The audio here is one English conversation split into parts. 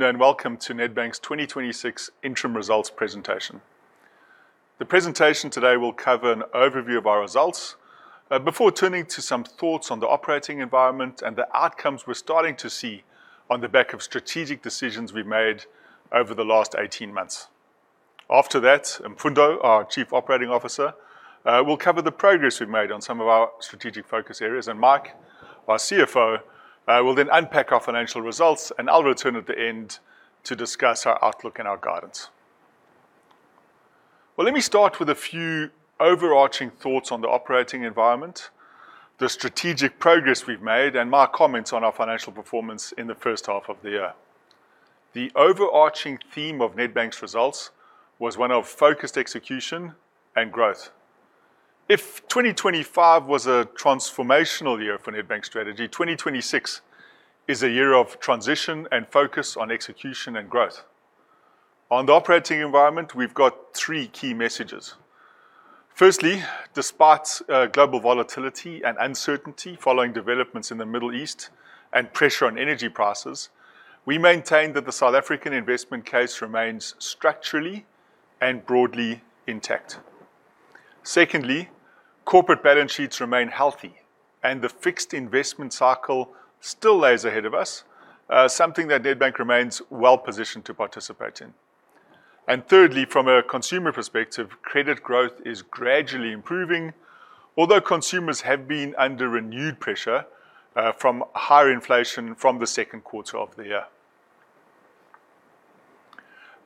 Good day, welcome to Nedbank's 2026 interim results presentation. The presentation today will cover an overview of our results before turning to some thoughts on the operating environment and the outcomes we're starting to see on the back of strategic decisions we've made over the last 18 months. After that, Mfundo, our Chief Operating Officer, will cover the progress we've made on some of our strategic focus areas, Mike, our CFO, will then unpack our financial results, I'll return at the end to discuss our outlook and our guidance. Let me start with a few overarching thoughts on the operating environment, the strategic progress we've made, and Mike comments on our financial performance in the first half of the year. The overarching theme of Nedbank's results was one of focused execution and growth. If 2025 was a transformational year for Nedbank's strategy, 2026 is a year of transition and focus on execution and growth. On the operating environment, we've got three key messages. Firstly, despite global volatility and uncertainty following developments in the Middle East and pressure on energy prices, we maintain that the South African investment case remains structurally and broadly intact. Secondly, corporate balance sheets remain healthy, and the fixed investment cycle still lays ahead of us, something that Nedbank remains well-positioned to participate in. Thirdly, from a consumer perspective, credit growth is gradually improving, although consumers have been under renewed pressure from higher inflation from the second quarter of the year.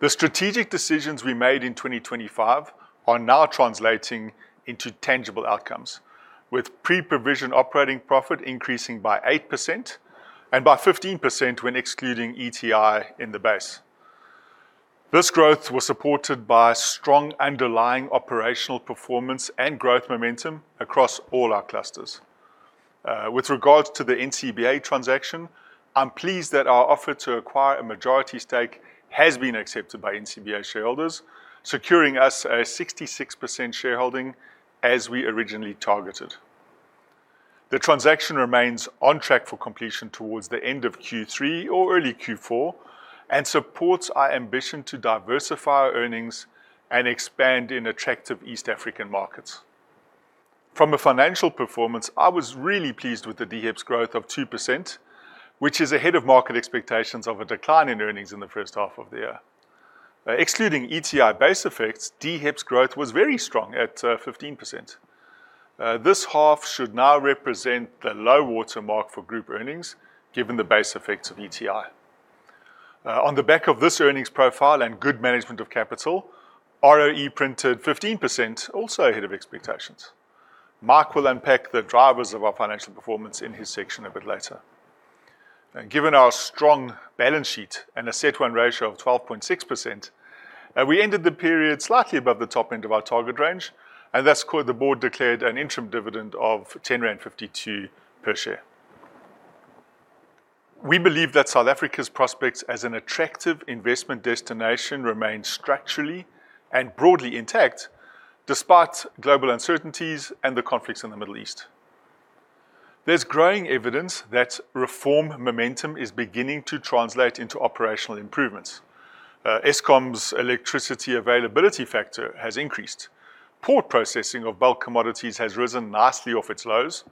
The strategic decisions we made in 2025 are now translating into tangible outcomes, with pre-provision operating profit increasing by 8% and by 15% when excluding ETI in the base. This growth was supported by strong underlying operational performance and growth momentum across all our clusters. With regards to the NCBA transaction, I'm pleased that our offer to acquire a majority stake has been accepted by NCBA shareholders, securing us a 66% shareholding as we originally targeted. The transaction remains on track for completion towards the end of Q3 or early Q4 and supports our ambition to diversify our earnings and expand in attractive East African markets. From a financial performance, I was really pleased with the DHEPS growth of 2%, which is ahead of market expectations of a decline in earnings in the first half of the year. Excluding ETI base effects, DHEPS growth was very strong at 15%. This half should now represent the low water mark for group earnings, given the base effects of ETI. On the back of this earnings profile and good management of capital, ROE printed 15%, also ahead of expectations. Mike will unpack the drivers of our financial performance in his section a bit later. Given our strong balance sheet and a CET1 ratio of 12.6%, we ended the period slightly above the top end of our target range, and thus the board declared an interim dividend of 10.52 rand per share. We believe that South Africa's prospects as an attractive investment destination remains structurally and broadly intact, despite global uncertainties and the conflicts in the Middle East. There's growing evidence that reform momentum is beginning to translate into operational improvements. Eskom's electricity availability factor has increased. Port processing of bulk commodities has risen nicely off its lows,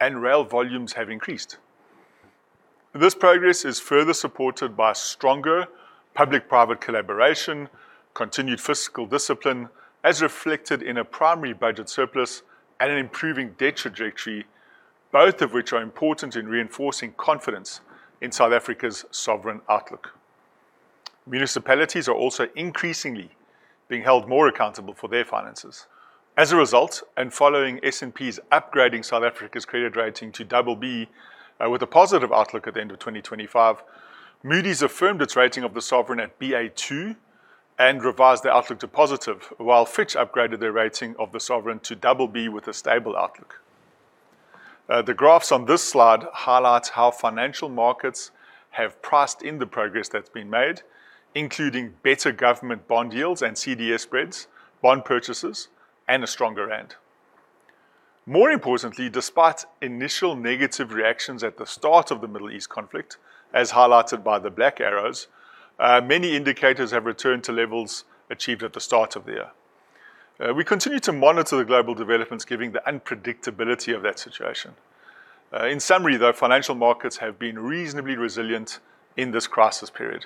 rail volumes have increased. This progress is further supported by stronger public-private collaboration, continued fiscal discipline as reflected in a primary budget surplus and an improving debt trajectory, both of which are important in reinforcing confidence in South Africa's sovereign outlook. Municipalities are also increasingly being held more accountable for their finances. As a result, and following S&P's upgrading South Africa's credit rating to BB with a positive outlook at the end of 2025, Moody's affirmed its rating of the sovereign at BA2 and revised the outlook to positive, while Fitch upgraded their rating of the sovereign to BB with a stable outlook. The graphs on this slide highlight how financial markets have priced in the progress that's been made, including better government bond yields and CDS spreads, bond purchases, and a stronger rand. More importantly, despite initial negative reactions at the start of the Middle East conflict, as highlighted by the black arrows, many indicators have returned to levels achieved at the start of the year. We continue to monitor the global developments given the unpredictability of that situation. In summary, though, financial markets have been reasonably resilient in this crisis period.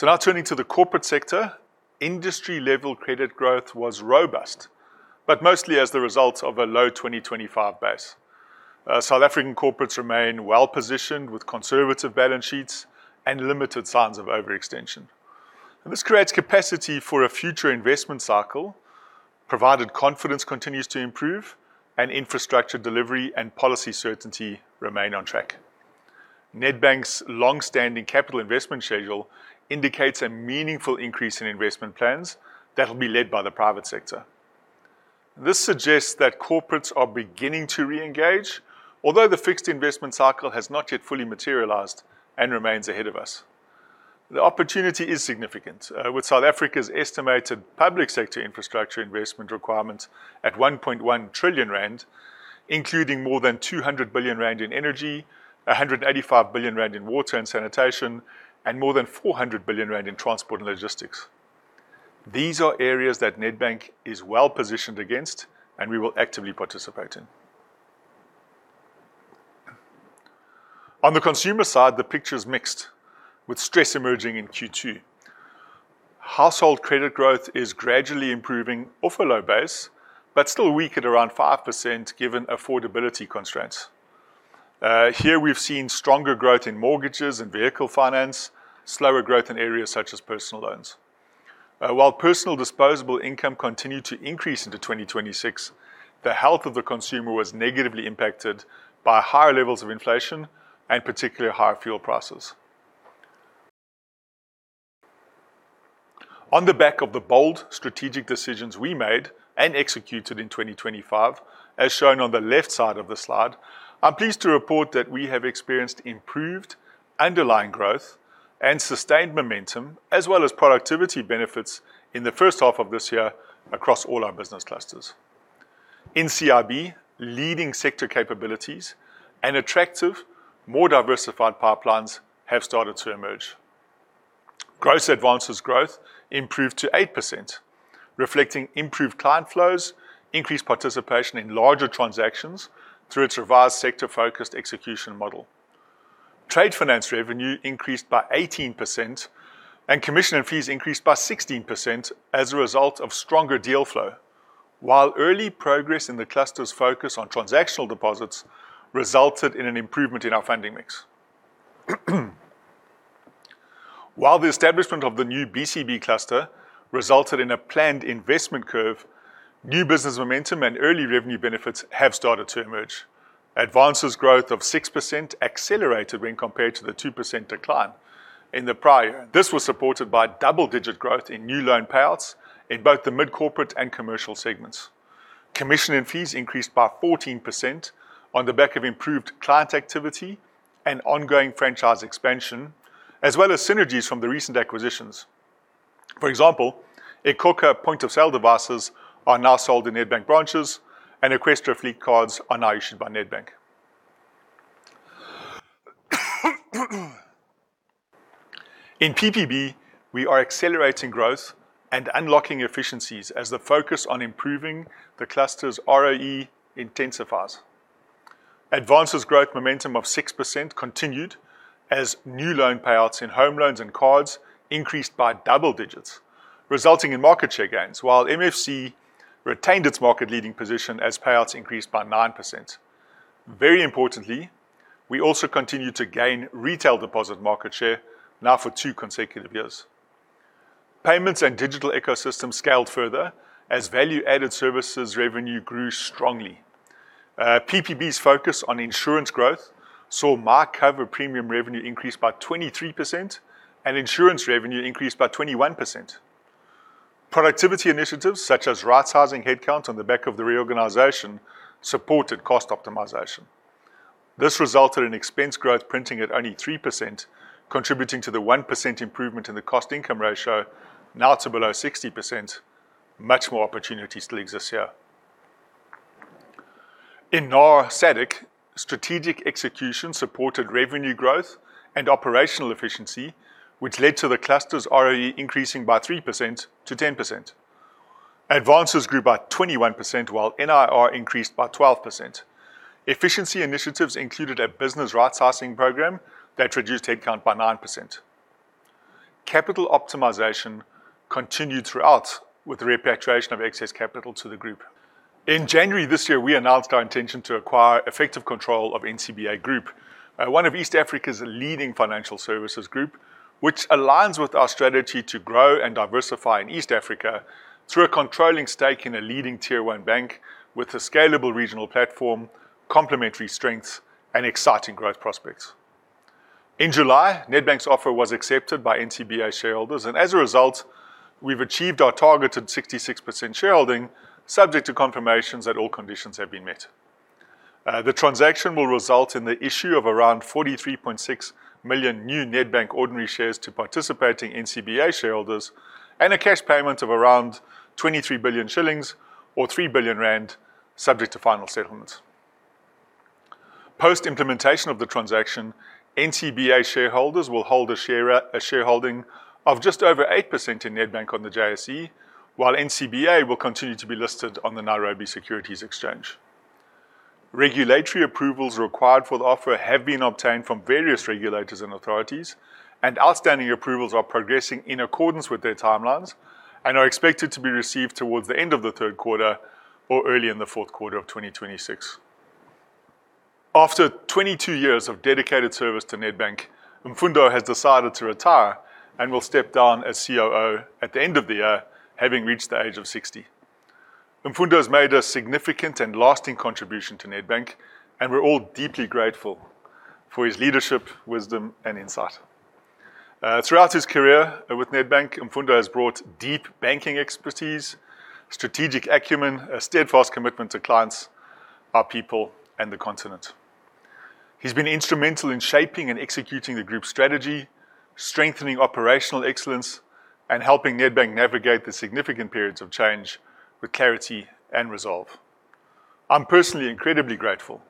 Now turning to the corporate sector, industry-level credit growth was robust, but mostly as the result of a low 2025 base. South African corporates remain well-positioned with conservative balance sheets and limited signs of overextension. This creates capacity for a future investment cycle, provided confidence continues to improve and infrastructure delivery and policy certainty remain on track. Nedbank's longstanding capital investment schedule indicates a meaningful increase in investment plans that will be led by the private sector. This suggests that corporates are beginning to reengage, although the fixed investment cycle has not yet fully materialized and remains ahead of us. The opportunity is significant. With South Africa's estimated public sector infrastructure investment requirement at 1.1 trillion rand, including more than 200 billion rand in energy, 185 billion rand in water and sanitation, and more than 400 billion rand in transport and logistics. These are areas that Nedbank is well-positioned against, and we will actively participate in. On the consumer side, the picture is mixed, with stress emerging in Q2. Household credit growth is gradually improving off a low base, but still weak at around 5% given affordability constraints. Here we've seen stronger growth in mortgages and vehicle finance, slower growth in areas such as personal loans. While personal disposable income continued to increase into 2026, the health of the consumer was negatively impacted by higher levels of inflation and particularly higher fuel prices. On the back of the bold strategic decisions we made and executed in 2025, as shown on the left side of the slide, I'm pleased to report that we have experienced improved underlying growth and sustained momentum, as well as productivity benefits in the first half of this year across all our business clusters. In CIB, leading sector capabilities and attractive, more diversified pipelines have started to emerge. Gross advances growth improved to 8%, reflecting improved client flows, increased participation in larger transactions through its revised sector-focused execution model. Trade finance revenue increased by 18% and commission and fees increased by 16% as a result of stronger deal flow. Early progress in the cluster's focus on transactional deposits resulted in an improvement in our funding mix. The establishment of the new BCB cluster resulted in a planned investment curve, new business momentum and early revenue benefits have started to emerge. Advances growth of 6% accelerated when compared to the 2% decline in the prior year. This was supported by double-digit growth in new loan payouts in both the mid-corporate and commercial segments. Commission and fees increased by 14% on the back of improved client activity and ongoing franchise expansion, as well as synergies from the recent acquisitions. For example, iKhokha point-of-sale devices are now sold in Nedbank branches, and Eqstra fleet cards are now issued by Nedbank. In PPB, we are accelerating growth and unlocking efficiencies as the focus on improving the cluster's ROE intensifies. Advances growth momentum of 6% continued as new loan payouts in home loans and cards increased by double digits, resulting in market share gains. MFC retained its market-leading position as payouts increased by 9%. Very importantly, we also continued to gain retail deposit market share now for two consecutive years. Payments and digital ecosystem scaled further as value-added services revenue grew strongly. PPB's focus on insurance growth saw MyCover premium revenue increase by 23% and insurance revenue increase by 21%. Productivity initiatives such as right-sizing headcount on the back of the reorganization supported cost optimization. This resulted in expense growth printing at only 3%, contributing to the 1% improvement in the cost-income ratio now to below 60%. Much more opportunity still exists here. In NAR SADC, strategic execution supported revenue growth and operational efficiency, which led to the cluster's ROE increasing by 3% to 10%. Advances grew by 21%, while NIR increased by 12%. Efficiency initiatives included a business right-sizing program that reduced headcount by 9%. Capital optimization continued throughout, with the repatriation of excess capital to the group. In January this year, we announced our intention to acquire effective control of NCBA Group, one of East Africa's leading financial services group, which aligns with our strategy to grow and diversify in East Africa through a controlling stake in a leading Tier 1 bank with a scalable regional platform, complementary strengths and exciting growth prospects. In July, Nedbank's offer was accepted by NCBA shareholders, and as a result, we've achieved our targeted 66% shareholding, subject to confirmations that all conditions have been met. The transaction will result in the issue of around 43.6 million new Nedbank ordinary shares to participating NCBA shareholders and a cash payment of around 23 billion shillings or 3 billion rand, subject to final settlements. Post-implementation of the transaction, NCBA shareholders will hold a shareholding of just over 8% in Nedbank on the JSE, while NCBA will continue to be listed on the Nairobi Securities Exchange. Regulatory approvals required for the offer have been obtained from various regulators and authorities, and outstanding approvals are progressing in accordance with their timelines and are expected to be received towards the end of the third quarter or early in the fourth quarter of 2026. After 22 years of dedicated service to Nedbank, Mfundo has decided to retire and will step down as COO at the end of the year, having reached the age of 60. Mfundo has made a significant and lasting contribution to Nedbank, we're all deeply grateful for his leadership, wisdom and insight. Throughout his career with Nedbank, Mfundo has brought deep banking expertise, strategic acumen, a steadfast commitment to clients, our people, and the continent. He's been instrumental in shaping and executing the group's strategy, strengthening operational excellence, and helping Nedbank navigate the significant periods of change with clarity and resolve. I'm personally incredibly grateful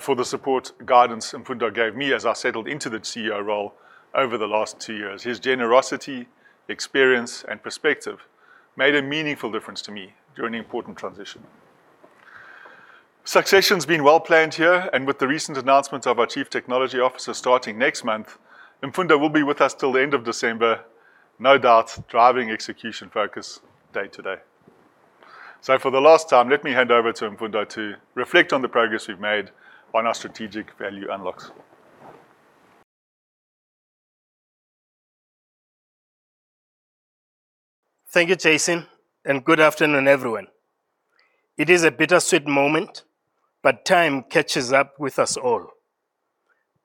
for the support, guidance Mfundo gave me as I settled into the CEO role over the last two years. His generosity, experience, and perspective made a meaningful difference to me during the important transition. Succession's been well planned here, with the recent announcement of our Chief Technology Officer starting next month, Mfundo will be with us till the end of December, no doubt driving execution focus day to day. For the last time, let me hand over to Mfundo to reflect on the progress we've made on our strategic value unlocks. Thank you, Jason, good afternoon, everyone. It is a bittersweet moment, time catches up with us all.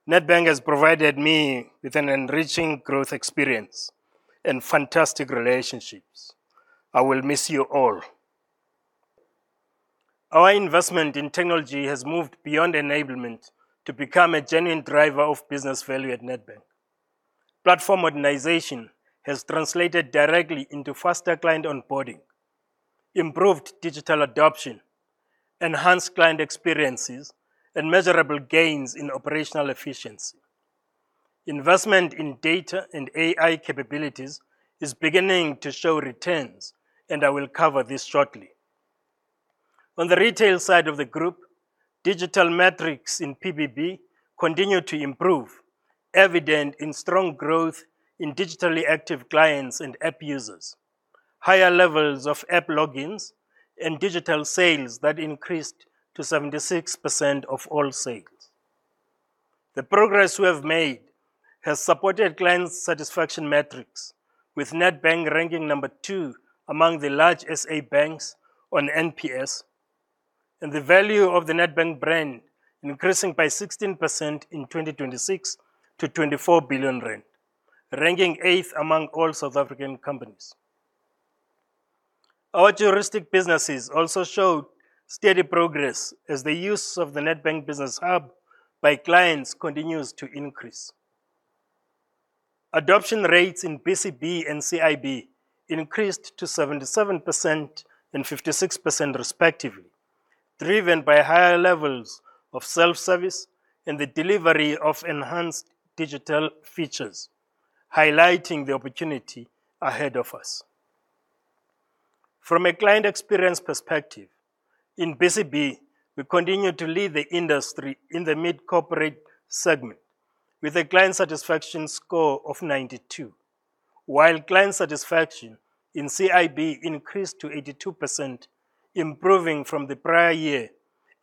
Nedbank has provided me with an enriching growth experience and fantastic relationships. I will miss you all. Our investment in technology has moved beyond enablement to become a genuine driver of business value at Nedbank. Platform modernization has translated directly into faster client onboarding, improved digital adoption, enhanced client experiences, and measurable gains in operational efficiency. Investment in data and AI capabilities is beginning to show returns, I will cover this shortly. On the retail side of the group, digital metrics in PPB continue to improve, evident in strong growth in digitally active clients and app users, higher levels of app logins and digital sales that increased to 76% of all sales. The progress we have made has supported client satisfaction metrics, with Nedbank ranking number two among the large SA banks on NPS, the value of the Nedbank brand increasing by 16% in 2026 to 24 billion rand, ranking eighth among all South African companies. Our juristic businesses also showed steady progress as the use of the Nedbank Business Hub by clients continues to increase. Adoption rates in BCB and CIB increased to 77% and 56% respectively, driven by higher levels of self-service and the delivery of enhanced digital features, highlighting the opportunity ahead of us. From a client experience perspective, in BCB, we continue to lead the industry in the mid-corporate segment with a client satisfaction score of 92, while client satisfaction in CIB increased to 82%, improving from the prior year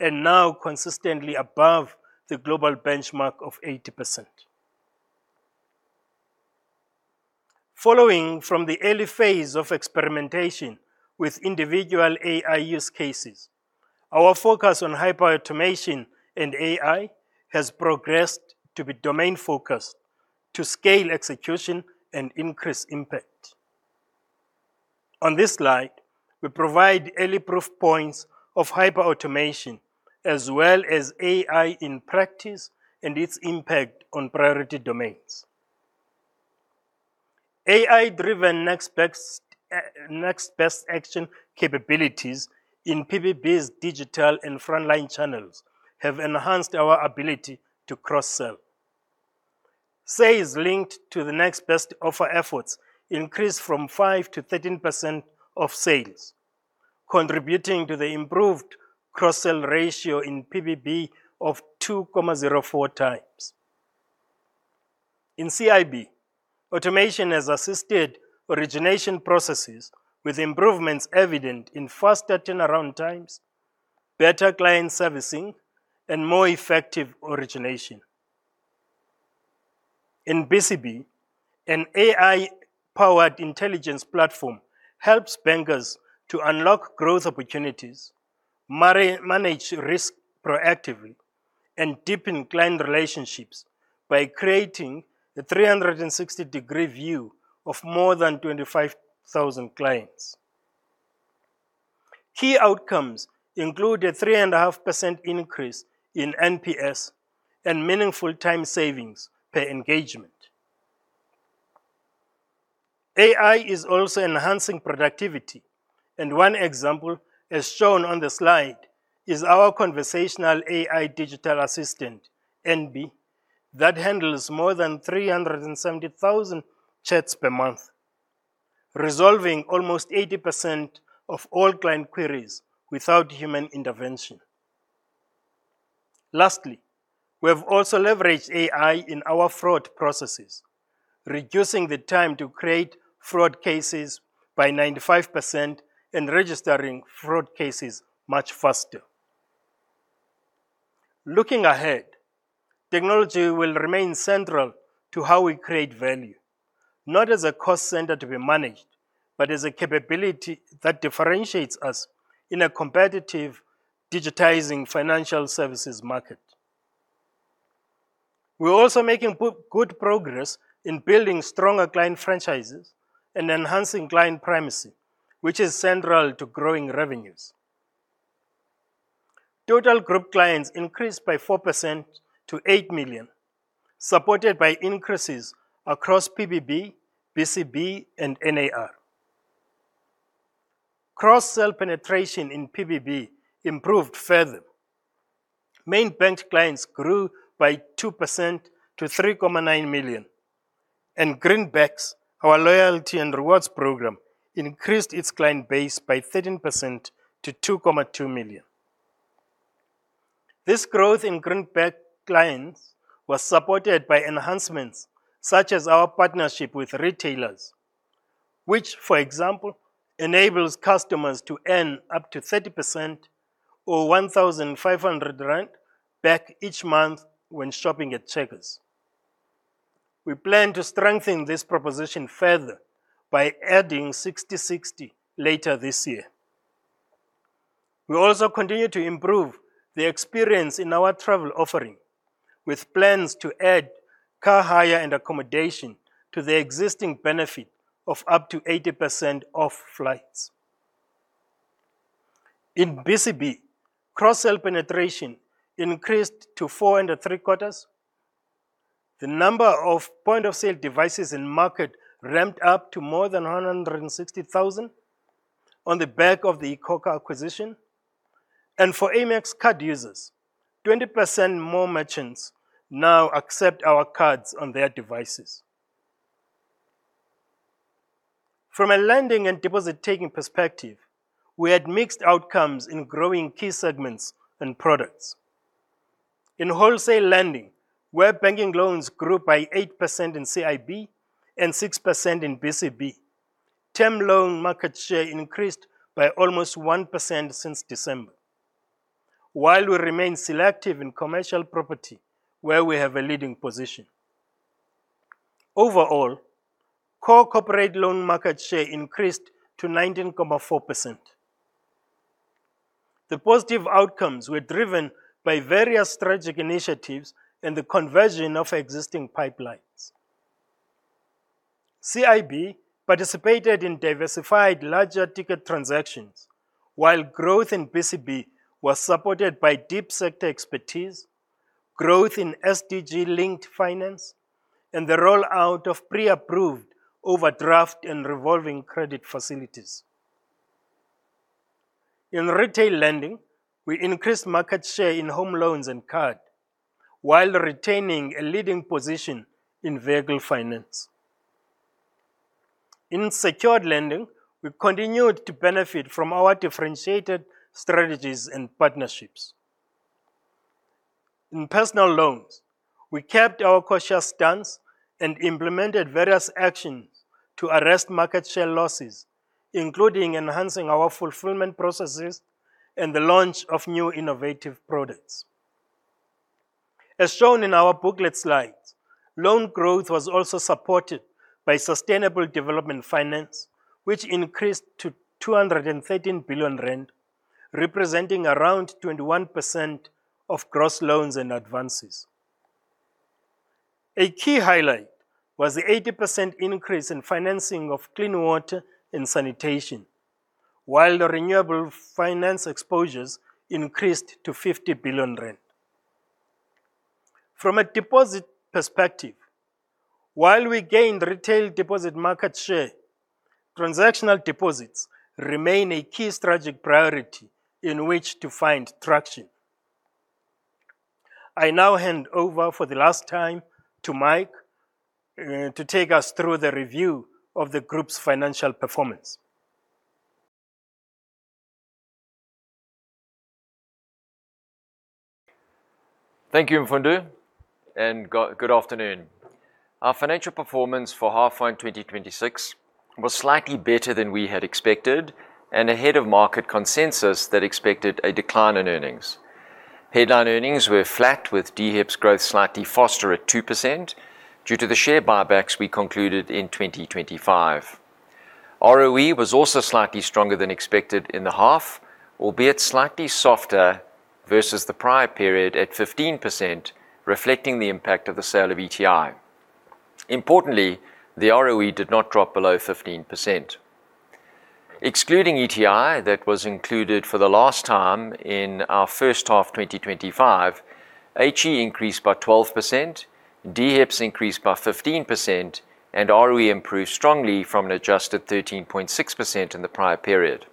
and now consistently above the global benchmark of 80%. Following from the early phase of experimentation with individual AI use cases, our focus on hyperautomation and AI has progressed to be domain-focused to scale execution and increase impact. On this slide, we provide early proof points of hyperautomation as well as AI in practice and its impact on priority domains. AI-driven next best action capabilities in PPB's digital and frontline channels have enhanced our ability to cross-sell. Sales linked to the next best offer efforts increased from 5%-13% of sales, contributing to the improved cross-sell ratio in PPB of 2.04x. In CIB, automation has assisted origination processes with improvements evident in faster turnaround times, better client servicing, and more effective origination. In BCB, an AI-powered intelligence platform helps bankers to unlock growth opportunities, manage risk proactively, and deepen client relationships by creating a 360-degree view of more than 25,000 clients. Key outcomes include a 3.5% increase in NPS and meaningful time savings per engagement. AI is also enhancing productivity, and one example as shown on the slide is our conversational AI digital assistant, Enbi, that handles more than 370,000 chats per month, resolving almost 80% of all client queries without human intervention. Lastly, we have also leveraged AI in our fraud processes, reducing the time to create fraud cases by 95% and registering fraud cases much faster. Looking ahead, technology will remain central to how we create value, not as a cost center to be managed, but as a capability that differentiates us in a competitive digitizing financial services market. We're also making good progress in building stronger client franchises and enhancing client primacy, which is central to growing revenues. Total group clients increased by 4% to 8 million. Supported by increases across PPB, BCB, and NAR. Cross-sell penetration in PPB improved further. Main bank clients grew by 2% to 3.9 million. Greenbacks, our loyalty and rewards program, increased its client base by 13% to 2.2 million. This growth in Greenbacks clients was supported by enhancements such as our partnership with retailers, which, for example, enables customers to earn up to 30% or 1,500 rand back each month when shopping at Checkers. We plan to strengthen this proposition further by adding Sixty60 later this year. We also continue to improve the experience in our travel offering, with plans to add car hire and accommodation to the existing benefit of up to 80% off flights. In BCB, cross-sell penetration increased to 4.75. The number of point-of-sale devices in market ramped up to more than 160,000 on the back of the iKhokha acquisition. For Amex card users, 20% more merchants now accept our cards on their devices. From a lending and deposit-taking perspective, we had mixed outcomes in growing key segments and products. In wholesale lending, where banking loans grew by 8% in CIB and 6% in BCB, term loan market share increased by almost 1% since December. While we remain selective in commercial property, where we have a leading position. Overall, core corporate loan market share increased to 19.4%. The positive outcomes were driven by various strategic initiatives and the conversion of existing pipelines. CIB participated in diversified larger ticket transactions, while growth in BCB was supported by deep sector expertise, growth in SDG-linked finance, and the rollout of pre-approved overdraft and revolving credit facilities. In retail lending, we increased market share in home loans and card, while retaining a leading position in vehicle finance. In secured lending, we continued to benefit from our differentiated strategies and partnerships. In personal loans, we kept our cautious stance and implemented various actions to arrest market share losses, including enhancing our fulfillment processes and the launch of new innovative products. As shown in our booklet slides, loan growth was also supported by sustainable development finance, which increased to 213 billion rand, representing around 21% of gross loans and advances. A key highlight was the 80% increase in financing of clean water and sanitation, while renewable finance exposures increased to 50 billion rand. From a deposit perspective, while we gained retail deposit market share, transactional deposits remain a key strategic priority in which to find traction. I now hand over for the last time to Mike to take us through the review of the group's financial performance. Thank you, Mfundo, good afternoon. Our financial performance for half one 2026 was slightly better than we had expected and ahead of market consensus that expected a decline in earnings. Headline earnings were flat with DHEPS growth slightly faster at 2% due to the share buybacks we concluded in 2025. ROE was also slightly stronger than expected in the half, albeit slightly softer versus the prior period at 15%, reflecting the impact of the sale of ETI. Importantly, the ROE did not drop below 15%. Excluding ETI that was included for the last time in our first half 2025, HE increased by 12%, DHEPS increased by 15%, and ROE improved strongly from an adjusted 13.6% in the prior period.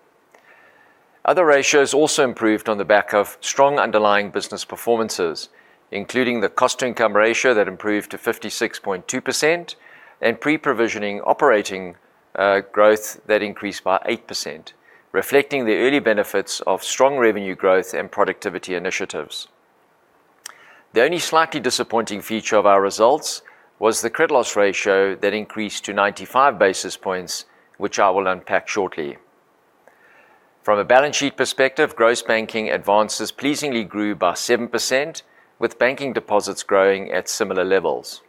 Other ratios also improved on the back of strong underlying business performances, including the cost-to-income ratio that improved to 56.2% and pre-provisioning operating growth that increased by 8%, reflecting the early benefits of strong revenue growth and productivity initiatives. The only slightly disappointing feature of our results was the credit loss ratio that increased to 95 basis points, which I will unpack shortly. From a balance sheet perspective, gross banking advances pleasingly grew by 7%, with banking deposits growing at similar levels.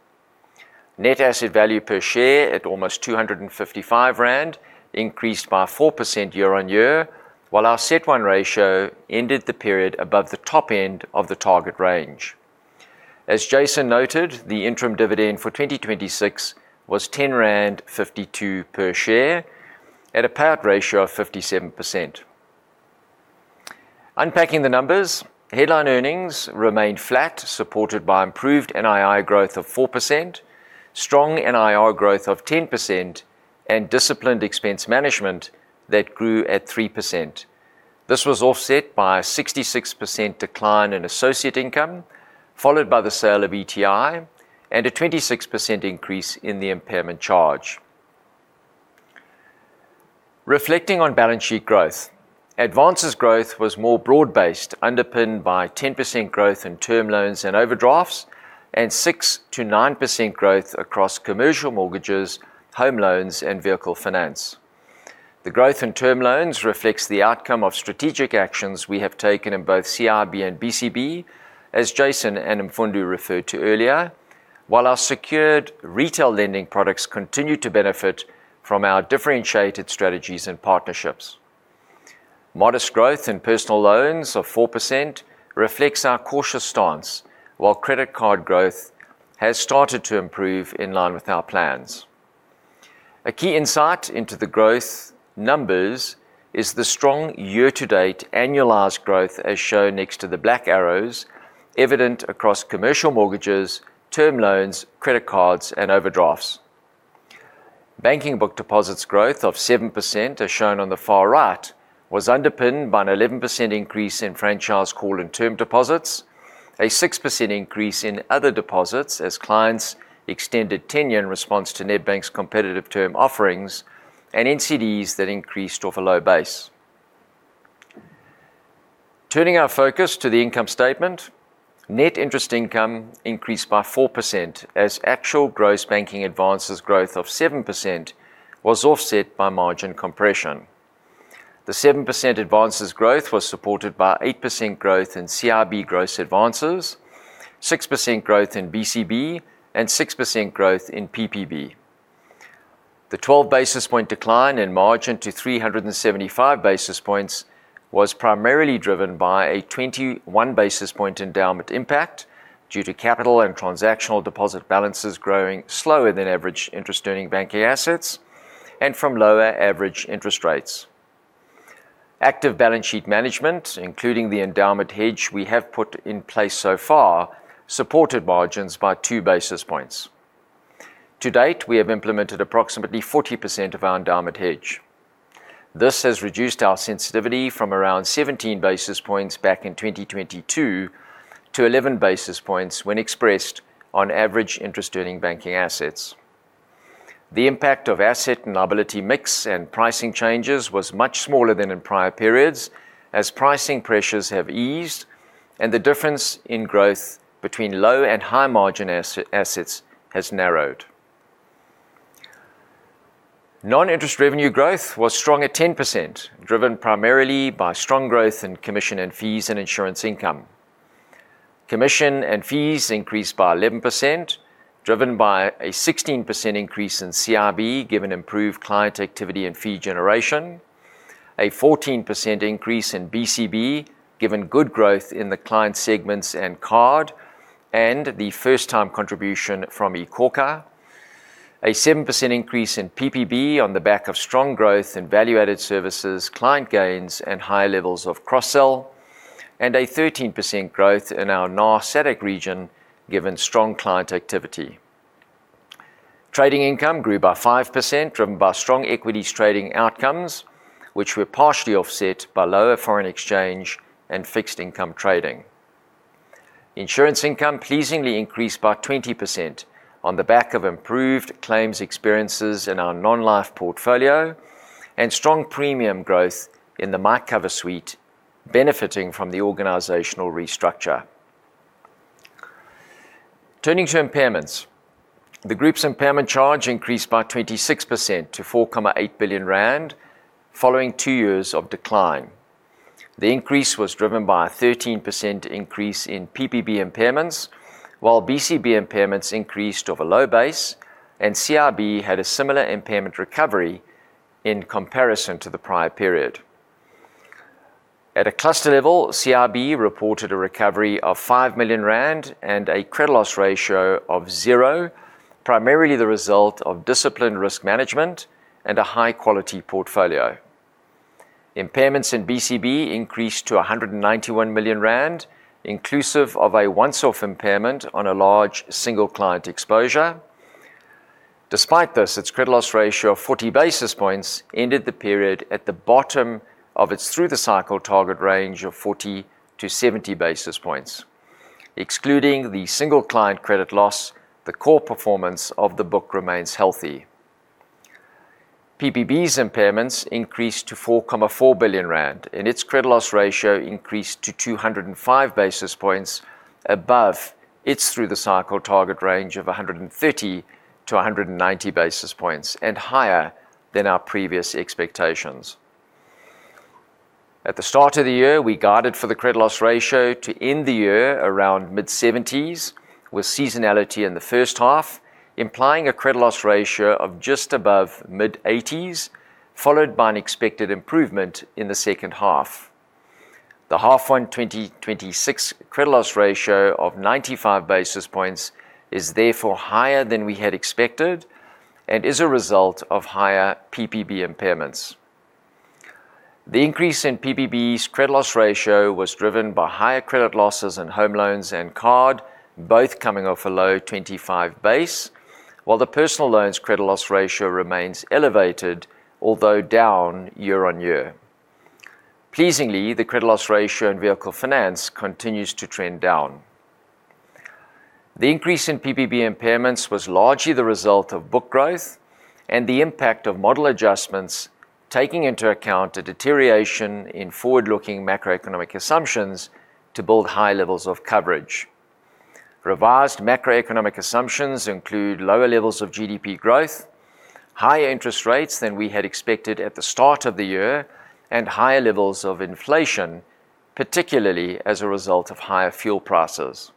Net asset value per share at almost 255 rand increased by 4% year-on-year, while our CET1 ratio ended the period above the top end of the target range. As Jason noted, the interim dividend for 2026 was 10.52 rand per share at a payout ratio of 57%. Unpacking the numbers, headline earnings remained flat, supported by improved NII growth of 4%, strong NIR growth of 10%, and disciplined expense management that grew at 3%. This was offset by a 66% decline in associate income, followed by the sale of ETI and a 26% increase in the impairment charge. Reflecting on balance sheet growth, advances growth was more broad-based, underpinned by 10% growth in term loans and overdrafts, and 6%-9% growth across commercial mortgages, home loans and vehicle finance. The growth in term loans reflects the outcome of strategic actions we have taken in both CIB and BCB, as Jason and Mfundo referred to earlier, while our secured retail lending products continue to benefit from our differentiated strategies and partnerships. Modest growth in personal loans of 4% reflects our cautious stance while credit card growth has started to improve in line with our plans. A key insight into the growth numbers is the strong year-to-date annualized growth as shown next to the black arrows evident across commercial mortgages, term loans, credit cards and overdrafts. Banking book deposits growth of 7% as shown on the far right was underpinned by an 11% increase in franchise call and term deposits, a 6% increase in other deposits as clients extended tenure in response to Nedbank's competitive term offerings and NCDs that increased off a low base. Turning our focus to the income statement, net interest income increased by 4% as actual gross banking advances growth of 7% was offset by margin compression. The 7% advances growth was supported by 8% growth in CIB gross advances, 6% growth in BCB and 6% growth in PPB. The 12 basis point decline in margin to 375 basis points was primarily driven by a 21 basis point endowment impact due to capital and transactional deposit balances growing slower than average interest earning banking assets and from lower average interest rates. Active balance sheet management, including the endowment hedge we have put in place so far, supported margins by two basis points. To date, we have implemented approximately 40% of our endowment hedge. This has reduced our sensitivity from around 17 basis points back in 2022 to 11 basis points when expressed on average interest earning banking assets. The impact of asset and liability mix and pricing changes was much smaller than in prior periods as pricing pressures have eased and the difference in growth between low and high margin assets has narrowed. Non-interest revenue growth was strong at 10%, driven primarily by strong growth in commission and fees and insurance income. Commission and fees increased by 11%, driven by a 16% increase in CIB given improved client activity and fee generation, a 14% increase in BCB given good growth in the client segments and card and the first time contribution from iKhokha, a 7% increase in PPB on the back of strong growth in value added services, client gains and higher levels of cross-sell, and a 13% growth in our NAR region given strong client activity. Trading income grew by 5% driven by strong equities trading outcomes, which were partially offset by lower foreign exchange and fixed income trading. Insurance income pleasingly increased by 20% on the back of improved claims experiences in our non-life portfolio and strong premium growth in the MyCover suite, benefiting from the organizational restructure. Turning to impairments, the group's impairment charge increased by 26% to 4.8 billion rand following two years of decline. The increase was driven by a 13% increase in PPB impairments, while BCB impairments increased off a low base and CIB had a similar impairment recovery in comparison to the prior period. At a cluster level, CIB reported a recovery of 5 million rand and a credit loss ratio of zero, primarily the result of disciplined risk management and a high-quality portfolio. Impairments in BCB increased to 191 million rand, inclusive of a once-off impairment on a large single client exposure. Despite this, its credit loss ratio of 40 basis points ended the period at the bottom of its through the cycle target range of 40 basis points-70 basis points. Excluding the single client credit loss, the core performance of the book remains healthy. PPB's impairments increased to 4.4 billion rand. Its credit loss ratio increased to 205 basis points above its through the cycle target range of 130 basis points-190 basis points and higher than our previous expectations. At the start of the year, we guided for the credit loss ratio to end the year around mid-70s with seasonality in the first half, implying a credit loss ratio of just above mid-80s, followed by an expected improvement in the second half. The half one 2026 credit loss ratio of 95 basis points is therefore higher than we had expected. It is a result of higher PPB impairments. The increase in PPB's credit loss ratio was driven by higher credit losses in home loans and card, both coming off a low 25 base, while the personal loans credit loss ratio remains elevated, although down year-on-year. Pleasingly, the credit loss ratio in vehicle finance continues to trend down. The increase in PPB impairments was largely the result of book growth and the impact of model adjustments taking into account a deterioration in forward-looking macroeconomic assumptions to build high levels of coverage. Revised macroeconomic assumptions include lower levels of GDP growth, higher interest rates than we had expected at the start of the year, and higher levels of inflation, particularly as a result of higher fuel prices.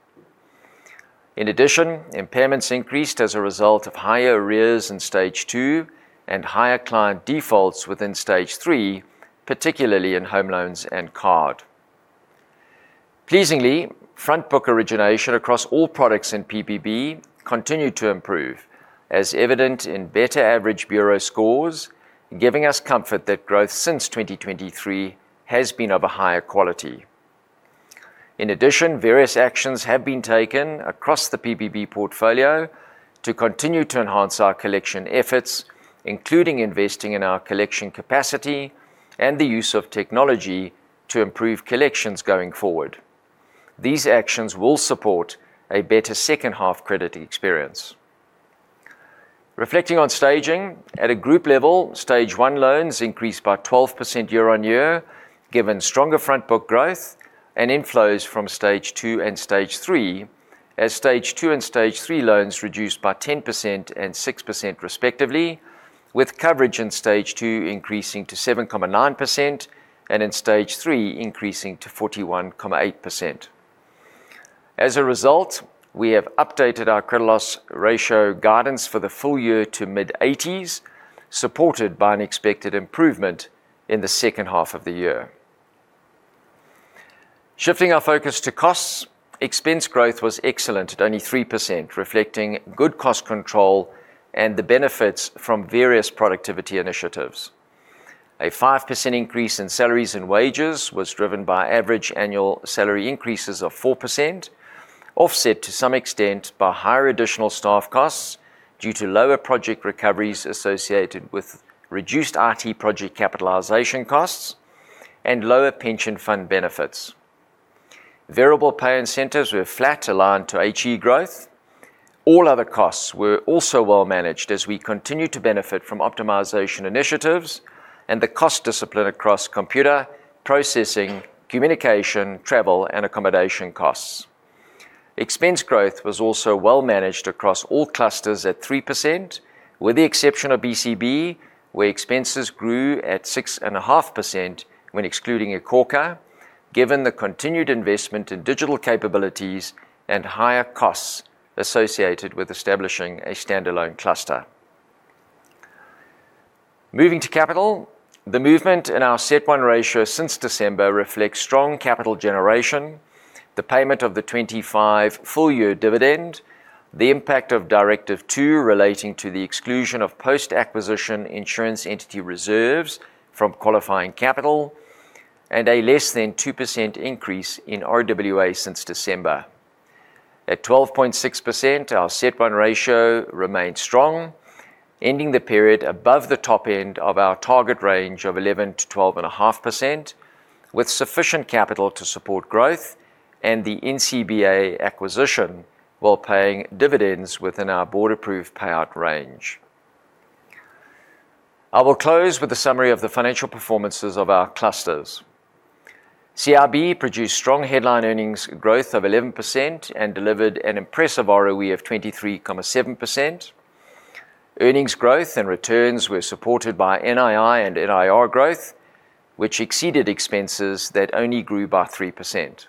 In addition, impairments increased as a result of higher arrears in Stage 2 and higher client defaults within Stage 3, particularly in home loans and card. Pleasingly, front book origination across all products in PPB continued to improve, as evident in better average bureau scores, giving us comfort that growth since 2023 has been of a higher quality. In addition, various actions have been taken across the PPB portfolio to continue to enhance our collection efforts, including investing in our collection capacity and the use of technology to improve collections going forward. These actions will support a better second half credit experience. Reflecting on staging, at a group level, stage 1 loans increased by 12% year-on-year, given stronger front book growth and inflows from Stage 2 and Stage 3, as Stage 2 and Stage 3 loans reduced by 10% and 6% respectively, with coverage in Stage 2 increasing to 7.9% and in Stage 3 increasing to 41.8%. As a result, we have updated our credit loss ratio guidance for the full-year to mid-80s, supported by an expected improvement in the second half of the year. Shifting our focus to costs, expense growth was excellent at only 3%, reflecting good cost control and the benefits from various productivity initiatives. A 5% increase in salaries and wages was driven by average annual salary increases of 4%, offset to some extent by higher additional staff costs due to lower project recoveries associated with reduced IT project capitalization costs and lower pension fund benefits. Variable pay incentives were flat, aligned to HE growth. All other costs were also well managed as we continued to benefit from optimization initiatives and the cost discipline across computer, processing, communication, travel, and accommodation costs. Expense growth was also well managed across all clusters at 3%, with the exception of BCB, where expenses grew at 6.5% when excluding iKhokha, given the continued investment in digital capabilities and higher costs associated with establishing a stand-alone cluster. Moving to capital, the movement in our CET1 ratio since December reflects strong capital generation, the payment of the 25 full-year dividend, the impact of Directive 2 relating to the exclusion of post-acquisition insurance entity reserves from qualifying capital, and a less than 2% increase in RWA since December. At 12.6%, our CET1 ratio remains strong, ending the period above the top end of our target range of 11%-12.5%, with sufficient capital to support growth and the NCBA acquisition while paying dividends within our board approved payout range. I will close with a summary of the financial performances of our clusters. CIB produced strong headline earnings growth of 11% and delivered an impressive ROE of 23.7%. Earnings growth and returns were supported by NII and NIR growth, which exceeded expenses that only grew by 3%.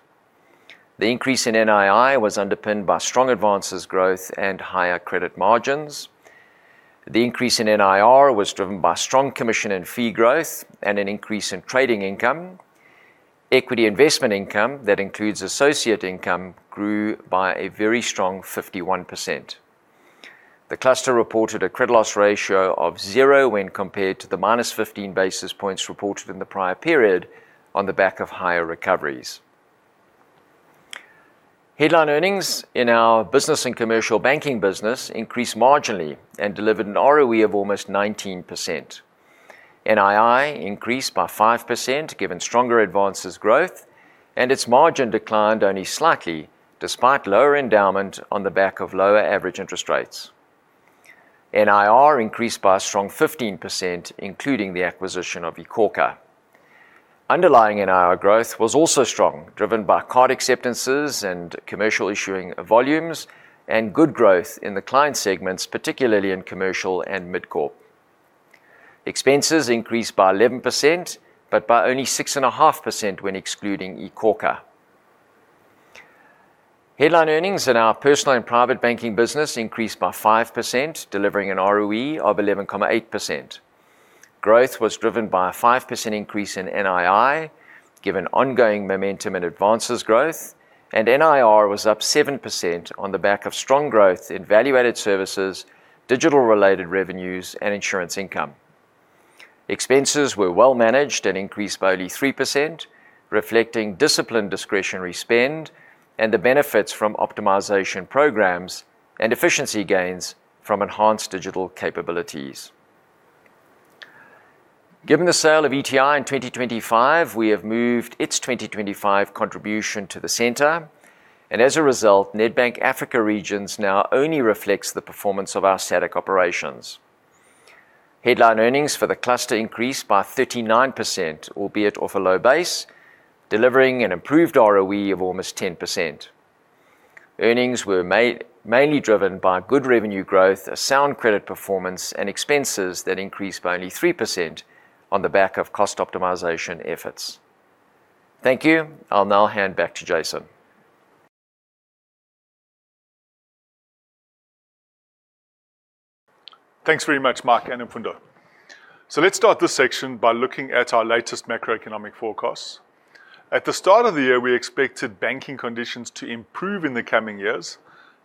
The increase in NII was underpinned by strong advances growth and higher credit margins. The increase in NIR was driven by strong commission and fee growth and an increase in trading income. Equity investment income that includes associate income grew by a very strong 51%. The cluster reported a credit loss ratio of zero when compared to the -15 basis points reported in the prior period on the back of higher recoveries. Headline earnings in our business and commercial banking business increased marginally and delivered an ROE of almost 19%. NII increased by 5% given stronger advances growth, and its margin declined only slightly despite lower endowment on the back of lower average interest rates. NIR increased by a strong 15%, including the acquisition of iKhokha. Underlying NIR growth was also strong, driven by card acceptances and commercial issuing volumes and good growth in the client segments, particularly in commercial and mid-corporate. Expenses increased by 11%, but by only 6.5% when excluding iKhokha. Headline earnings in our Personal and Private Banking business increased by 5%, delivering an ROE of 11.8%. Growth was driven by a 5% increase in NII, given ongoing momentum in advances growth, and NIR was up 7% on the back of strong growth in value-added services, digital-related revenues, and insurance income. Expenses were well managed and increased by only 3%, reflecting disciplined discretionary spend and the benefits from optimization programs and efficiency gains from enhanced digital capabilities. Given the sale of ETI in 2025, we have moved its 2025 contribution to the center, and as a result, Nedbank Africa Regions now only reflects the performance of our static operations. Headline earnings for the cluster increased by 39%, albeit off a low base, delivering an improved ROE of almost 10%. Earnings were mainly driven by good revenue growth, a sound credit performance, and expenses that increased by only 3% on the back of cost optimization efforts. Thank you. I will now hand back to Jason. Thanks very much, Mike and Mfundo. Let's start this section by looking at our latest macroeconomic forecasts. At the start of the year, we expected banking conditions to improve in the coming years,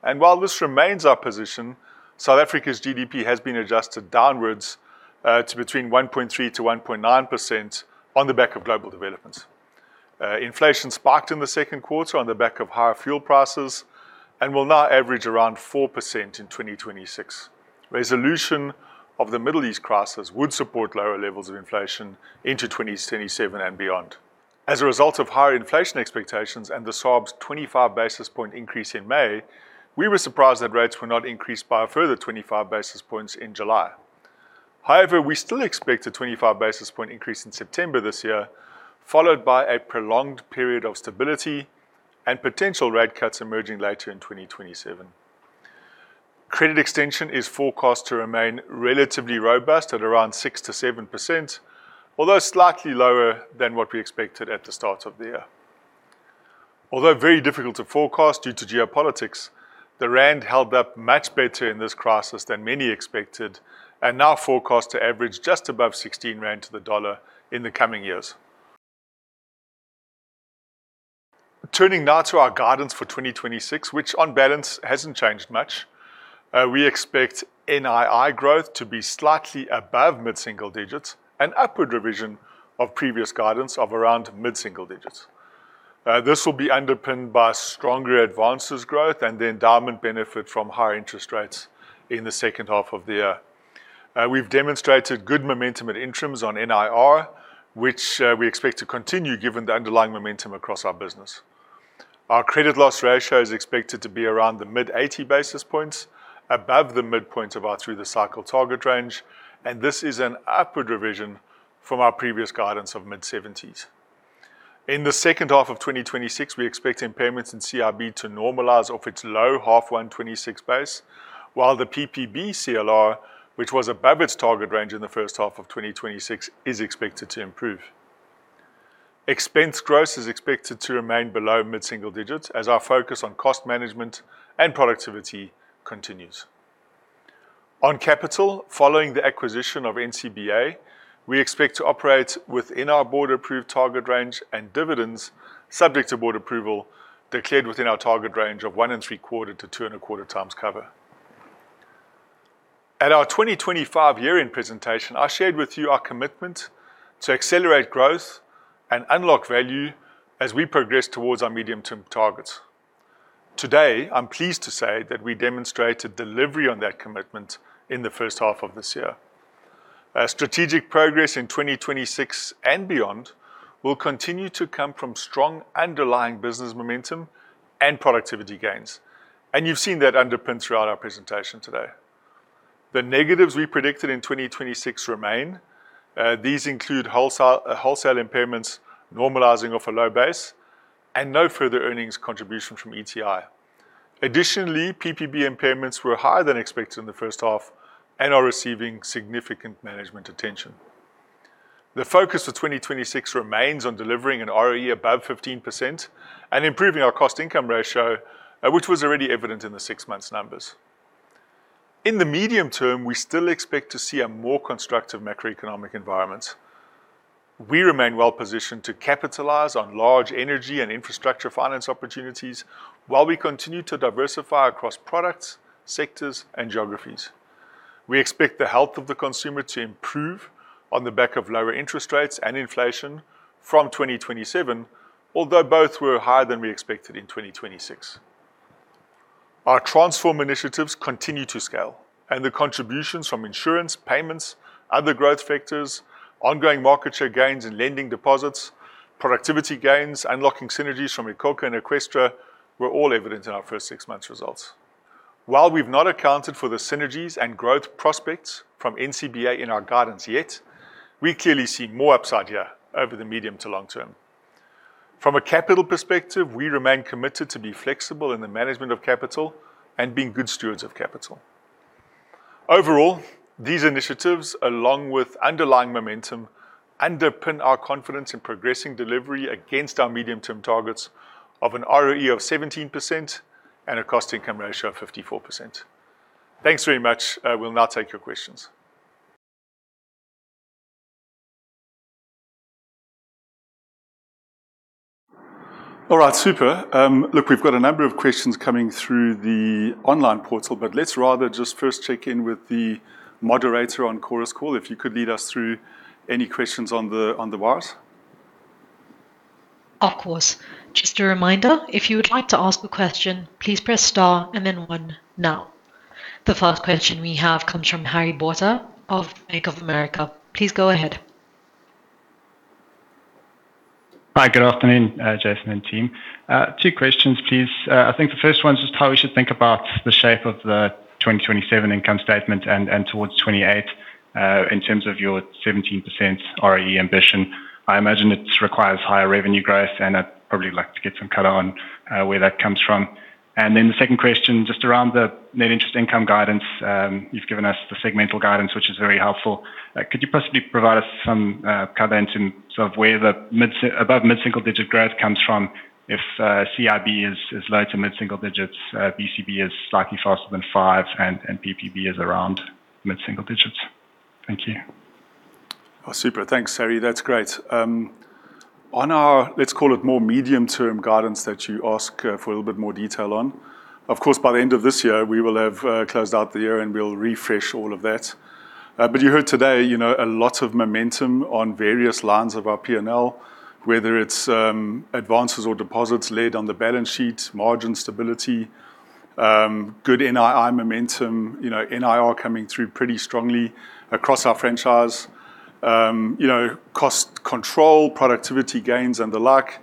and while this remains our position, South Africa's GDP has been adjusted downwards to between 1.3%-1.9% on the back of global developments. Inflation spiked in the second quarter on the back of higher fuel prices and will now average around 4% in 2026. Resolution of the Middle East crisis would support lower levels of inflation into 2027 and beyond. As a result of higher inflation expectations and the SARB's 25 basis point increase in May, we were surprised that rates were not increased by a further 25 basis points in July. We still expect a 25 basis point increase in September this year, followed by a prolonged period of stability and potential rate cuts emerging later in 2027. Credit extension is forecast to remain relatively robust at around 6%-7%, although slightly lower than what we expected at the start of the year. Although very difficult to forecast due to geopolitics, the rand held up much better in this crisis than many expected, and now forecast to average just above 16 rand to the dollar in the coming years. Turning now to our guidance for 2026, which on balance hasn't changed much. We expect NII growth to be slightly above mid-single digits, an upward revision of previous guidance of around mid-single digits. This will be underpinned by stronger advances growth and the endowment benefit from higher interest rates in the second half of the year. We've demonstrated good momentum at interims on NIR, which we expect to continue given the underlying momentum across our business. Our credit loss ratio is expected to be around the mid-80 basis points above the midpoint of our through the cycle target range, and this is an upward revision from our previous guidance of mid-70s. In the second half of 2026, we expect impairments in CIB to normalize off its low H1 2026 base, while the PPB CLR, which was above its target range in the first half of 2026, is expected to improve. Expense growth is expected to remain below mid-single digits as our focus on cost management and productivity continues. On capital, following the acquisition of NCBA, we expect to operate within our board-approved target range and dividends subject to board approval declared within our target range of one and three-quarter to two and a quarter times cover. At our 2025 year-end presentation, I shared with you our commitment to accelerate growth and unlock value as we progress towards our medium-term targets. Today, I'm pleased to say that we demonstrated delivery on that commitment in the first half of this year. Strategic progress in 2026 and beyond will continue to come from strong underlying business momentum and productivity gains, and you've seen that underpinned throughout our presentation today. The negatives we predicted in 2026 remain. These include wholesale impairments normalizing off a low base, and no further earnings contribution from ETI. Additionally, PPB impairments were higher than expected in the first half and are receiving significant management attention. The focus for 2026 remains on delivering an ROE above 15% and improving our cost-income ratio, which was already evident in the six months numbers. In the medium term, we still expect to see a more constructive macroeconomic environment. We remain well-positioned to capitalize on large energy and infrastructure finance opportunities while we continue to diversify across products, sectors, and geographies. We expect the health of the consumer to improve on the back of lower interest rates and inflation from 2027, although both were higher than we expected in 2026. Our transform initiatives continue to scale, and the contributions from insurance payments, other growth factors, ongoing market share gains in lending deposits, productivity gains, unlocking synergies from Ecobank and Eqstra were all evident in our first six months results. While we've not accounted for the synergies and growth prospects from NCBA in our guidance yet, we clearly see more upside here over the medium to long term. From a capital perspective, we remain committed to be flexible in the management of capital and being good stewards of capital. Overall, these initiatives, along with underlying momentum, underpin our confidence in progressing delivery against our medium-term targets of an ROE of 17% and a cost-income ratio of 54%. Thanks very much. I will now take your questions. All right, super. Look, we've got a number of questions coming through the online portal, but let's rather just first check in with the moderator on Chorus Call, if you could lead us through any questions on the wires. Of course. Just a reminder, if you would like to ask a question, please press star and then one now. The first question we have comes from Harry Botha of Bank of America. Please go ahead. Hi, good afternoon, Jason and team. Two questions, please. I think the first one is just how we should think about the shape of the 2027 income statement and towards 2028, in terms of your 17% ROE ambition. I imagine it requires higher revenue growth, and I'd probably like to get some color on where that comes from. The second question, just around the net interest income guidance. You've given us the segmental guidance, which is very helpful. Could you possibly provide us some color into sort of where the above mid-single-digit growth comes from if CIB is low to mid-single digits, BCB is slightly faster than five and PPB is around mid-single-digits? Thank you. Oh, super. Thanks, Harry. That's great. On our, let's call it, more medium-term guidance that you ask for a little bit more detail on. Of course, by the end of this year, we will have closed out the year and we'll refresh all of that. You heard today a lot of momentum on various lines of our P&L, whether it's advances or deposits led on the balance sheet, margin stability, good NII momentum, NIR coming through pretty strongly across our franchise. Cost control, productivity gains and the like,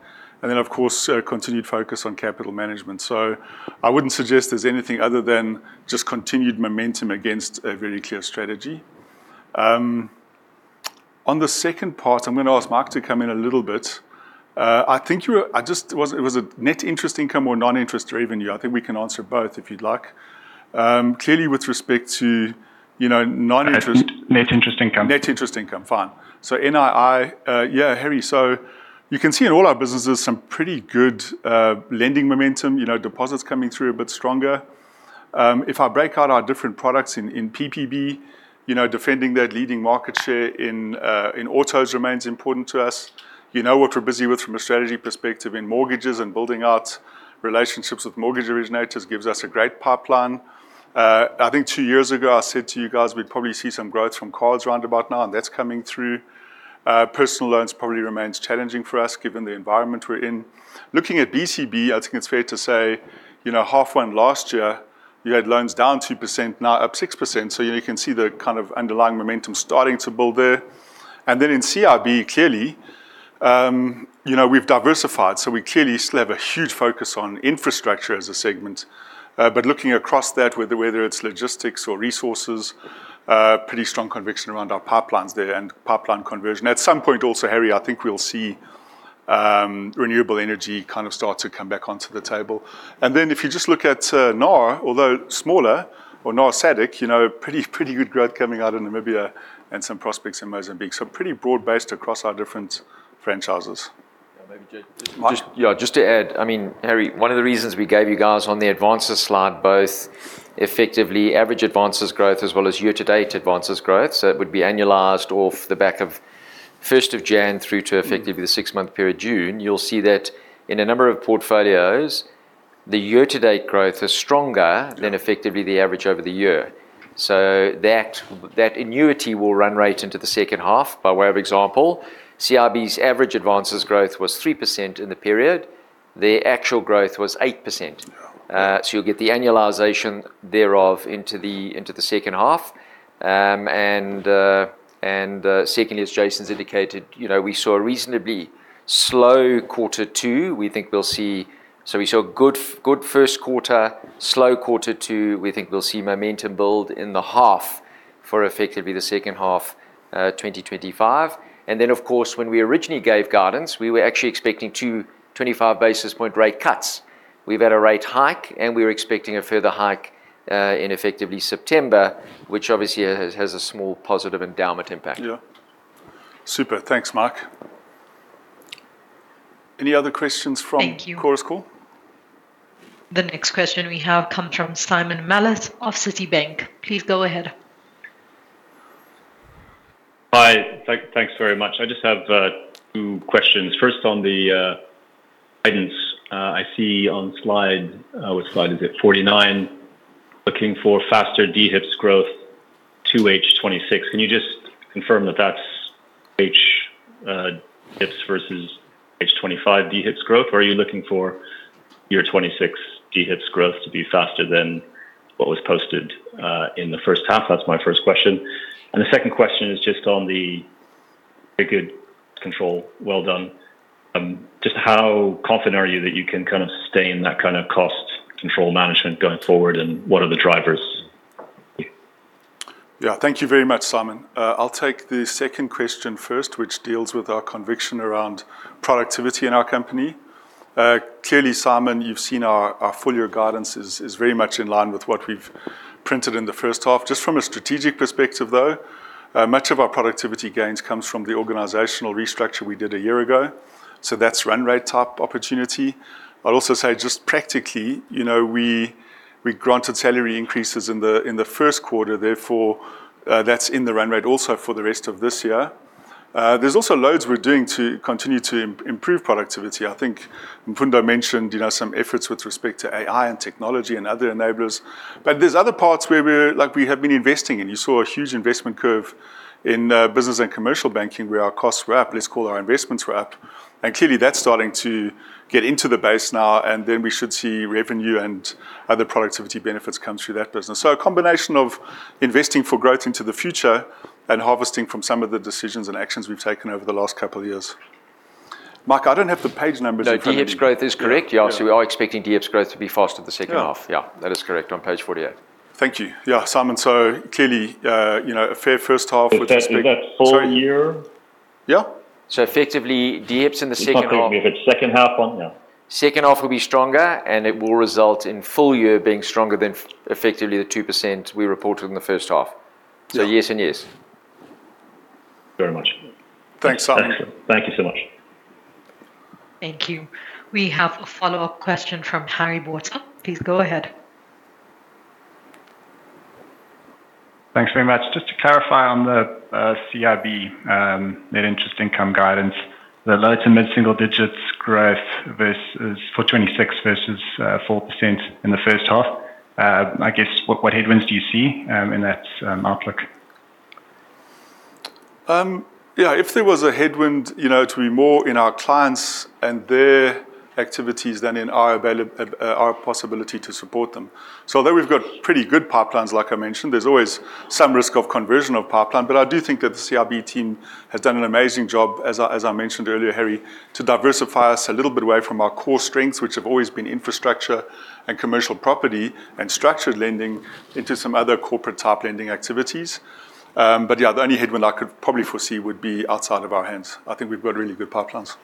continued focus on capital management. I wouldn't suggest there's anything other than just continued momentum against a very clear strategy. On the second part, I'm going to ask Mike to come in a little bit. Was it net interest income or non-interest revenue? I think we can answer both if you'd like. Clearly with respect to non-interest- Net interest income net interest income, fine. NII. Yeah, Harry, you can see in all our businesses some pretty good lending momentum, deposits coming through a bit stronger. If I break out our different products in PPB, defending that leading market share in autos remains important to us. You know what we're busy with from a strategy perspective in mortgages and building out relationships with mortgage originators gives us a great pipeline. I think two years ago, I said to you guys, we'd probably see some growth from cars roundabout now, and that's coming through. Personal loans probably remains challenging for us, given the environment we're in. Looking at BCB, I think it's fair to say, half one last year, you had loans down 2%, now up 6%. You can see the underlying momentum starting to build there. In CIB, clearly, we have diversified, so we clearly still have a huge focus on infrastructure as a segment. Looking across that, whether it is logistics or resources, pretty strong conviction around our pipelines there and pipeline conversion. At some point also, Harry, I think we will see renewable energy start to come back onto the table. If you just look at NAR, although smaller or NAR SADC, pretty good growth coming out of Namibia and some prospects in Mozambique. Pretty broad-based across our different franchises. Yeah, maybe. Mike. Just to add, Harry, one of the reasons we gave you guys on the advances slide, both effectively average advances growth as well as year-to-date advances growth, so it would be annualized off the back of 1st of January through to effectively the six-month period June. You will see that in a number of portfolios, the year-to-date growth is stronger than effectively the average over the year. That annuity will run right into the second half. By way of example, CIB's average advances growth was 3% in the period. Their actual growth was 8%. Wow. You will get the annualization thereof into the second half. Secondly, as Jason's indicated, we saw a reasonably slow quarter two. We saw a good first quarter, slow quarter two. We think we will see momentum build in the half for effectively the second half 2025. Of course, when we originally gave guidance, we were actually expecting two 25 basis point rate cuts. We have had a rate hike, we were expecting a further hike in effectively September, which obviously has a small positive endowment impact. Yeah. Super. Thanks, Mike. Any other questions from? Thank you. Chorus Call? The next question we have come from Simon Nellis of Citibank. Please go ahead. Hi. Thank you very much. I just have two questions. First, on the guidance. I see on slide, which slide is it, 49, looking for faster DHEPS growth to H2 2026. Can you just confirm that that's DHEPS versus H2 2025 DHEPS growth? Or are you looking for your 2026 DHEPS growth to be faster than what was posted in the first half? That's my first question. And the second question is just on the very good control. Well done. Just how confident are you that you can sustain that kind of cost control management going forward, and what are the drivers? Thank you very much, Simon. I'll take the second question first, which deals with our conviction around productivity in our company. Clearly, Simon, you've seen our full-year guidance is very much in line with what we've printed in the first half. Just from a strategic perspective, though Much of our productivity gains comes from the organizational restructure we did a year ago. So that's run rate type opportunity. I'll also say just practically, we granted salary increases in the first quarter, therefore, that's in the run rate also for the rest of this year. There's also loads we're doing to continue to improve productivity. I think Mfundo mentioned some efforts with respect to AI and technology and other enablers. But there's other parts where we have been investing in. You saw a huge investment curve in Business and Commercial Banking, where our costs were up. Our investments were up. And clearly that's starting to get into the base now, and then we should see revenue and other productivity benefits come through that business. So a combination of investing for growth into the future and harvesting from some of the decisions and actions we've taken over the last couple of years. Mike, I don't have the page numbers in front of me. DHEPS growth is correct. Yeah. So we are expecting DHEPS growth to be faster the second half. Yeah. Yeah, that is correct on page 48. Thank you. Yeah. Simon, clearly, a fair first half would expect- Is that full-year? Yeah. Effectively, DHEPS in the second half. You are talking the second half on now. Second half will be stronger, and it will result in full-year being stronger than effectively the 2% we reported in the first half. Yeah. Yes and yes. Very much. Thanks, Simon. Thank you so much. Thank you. We have a follow-up question from Harry Botha. Please go ahead. Thanks very much. Just to clarify on the CIB net interest income guidance, the low to mid-single-digits growth for 2026 versus 4% in the first half. I guess what headwinds do you see in that outlook? If there was a headwind, it would be more in our clients and their activities than in our possibility to support them. Although we've got pretty good pipelines, like I mentioned. There's always some risk of conversion of pipeline. I do think that the CIB team has done an amazing job, as I mentioned earlier, Harry, to diversify us a little bit away from our core strengths, which have always been infrastructure and commercial property and structured lending into some other corporate type lending activities. The only headwind I could probably foresee would be outside of our hands. I think we've got really good pipelines.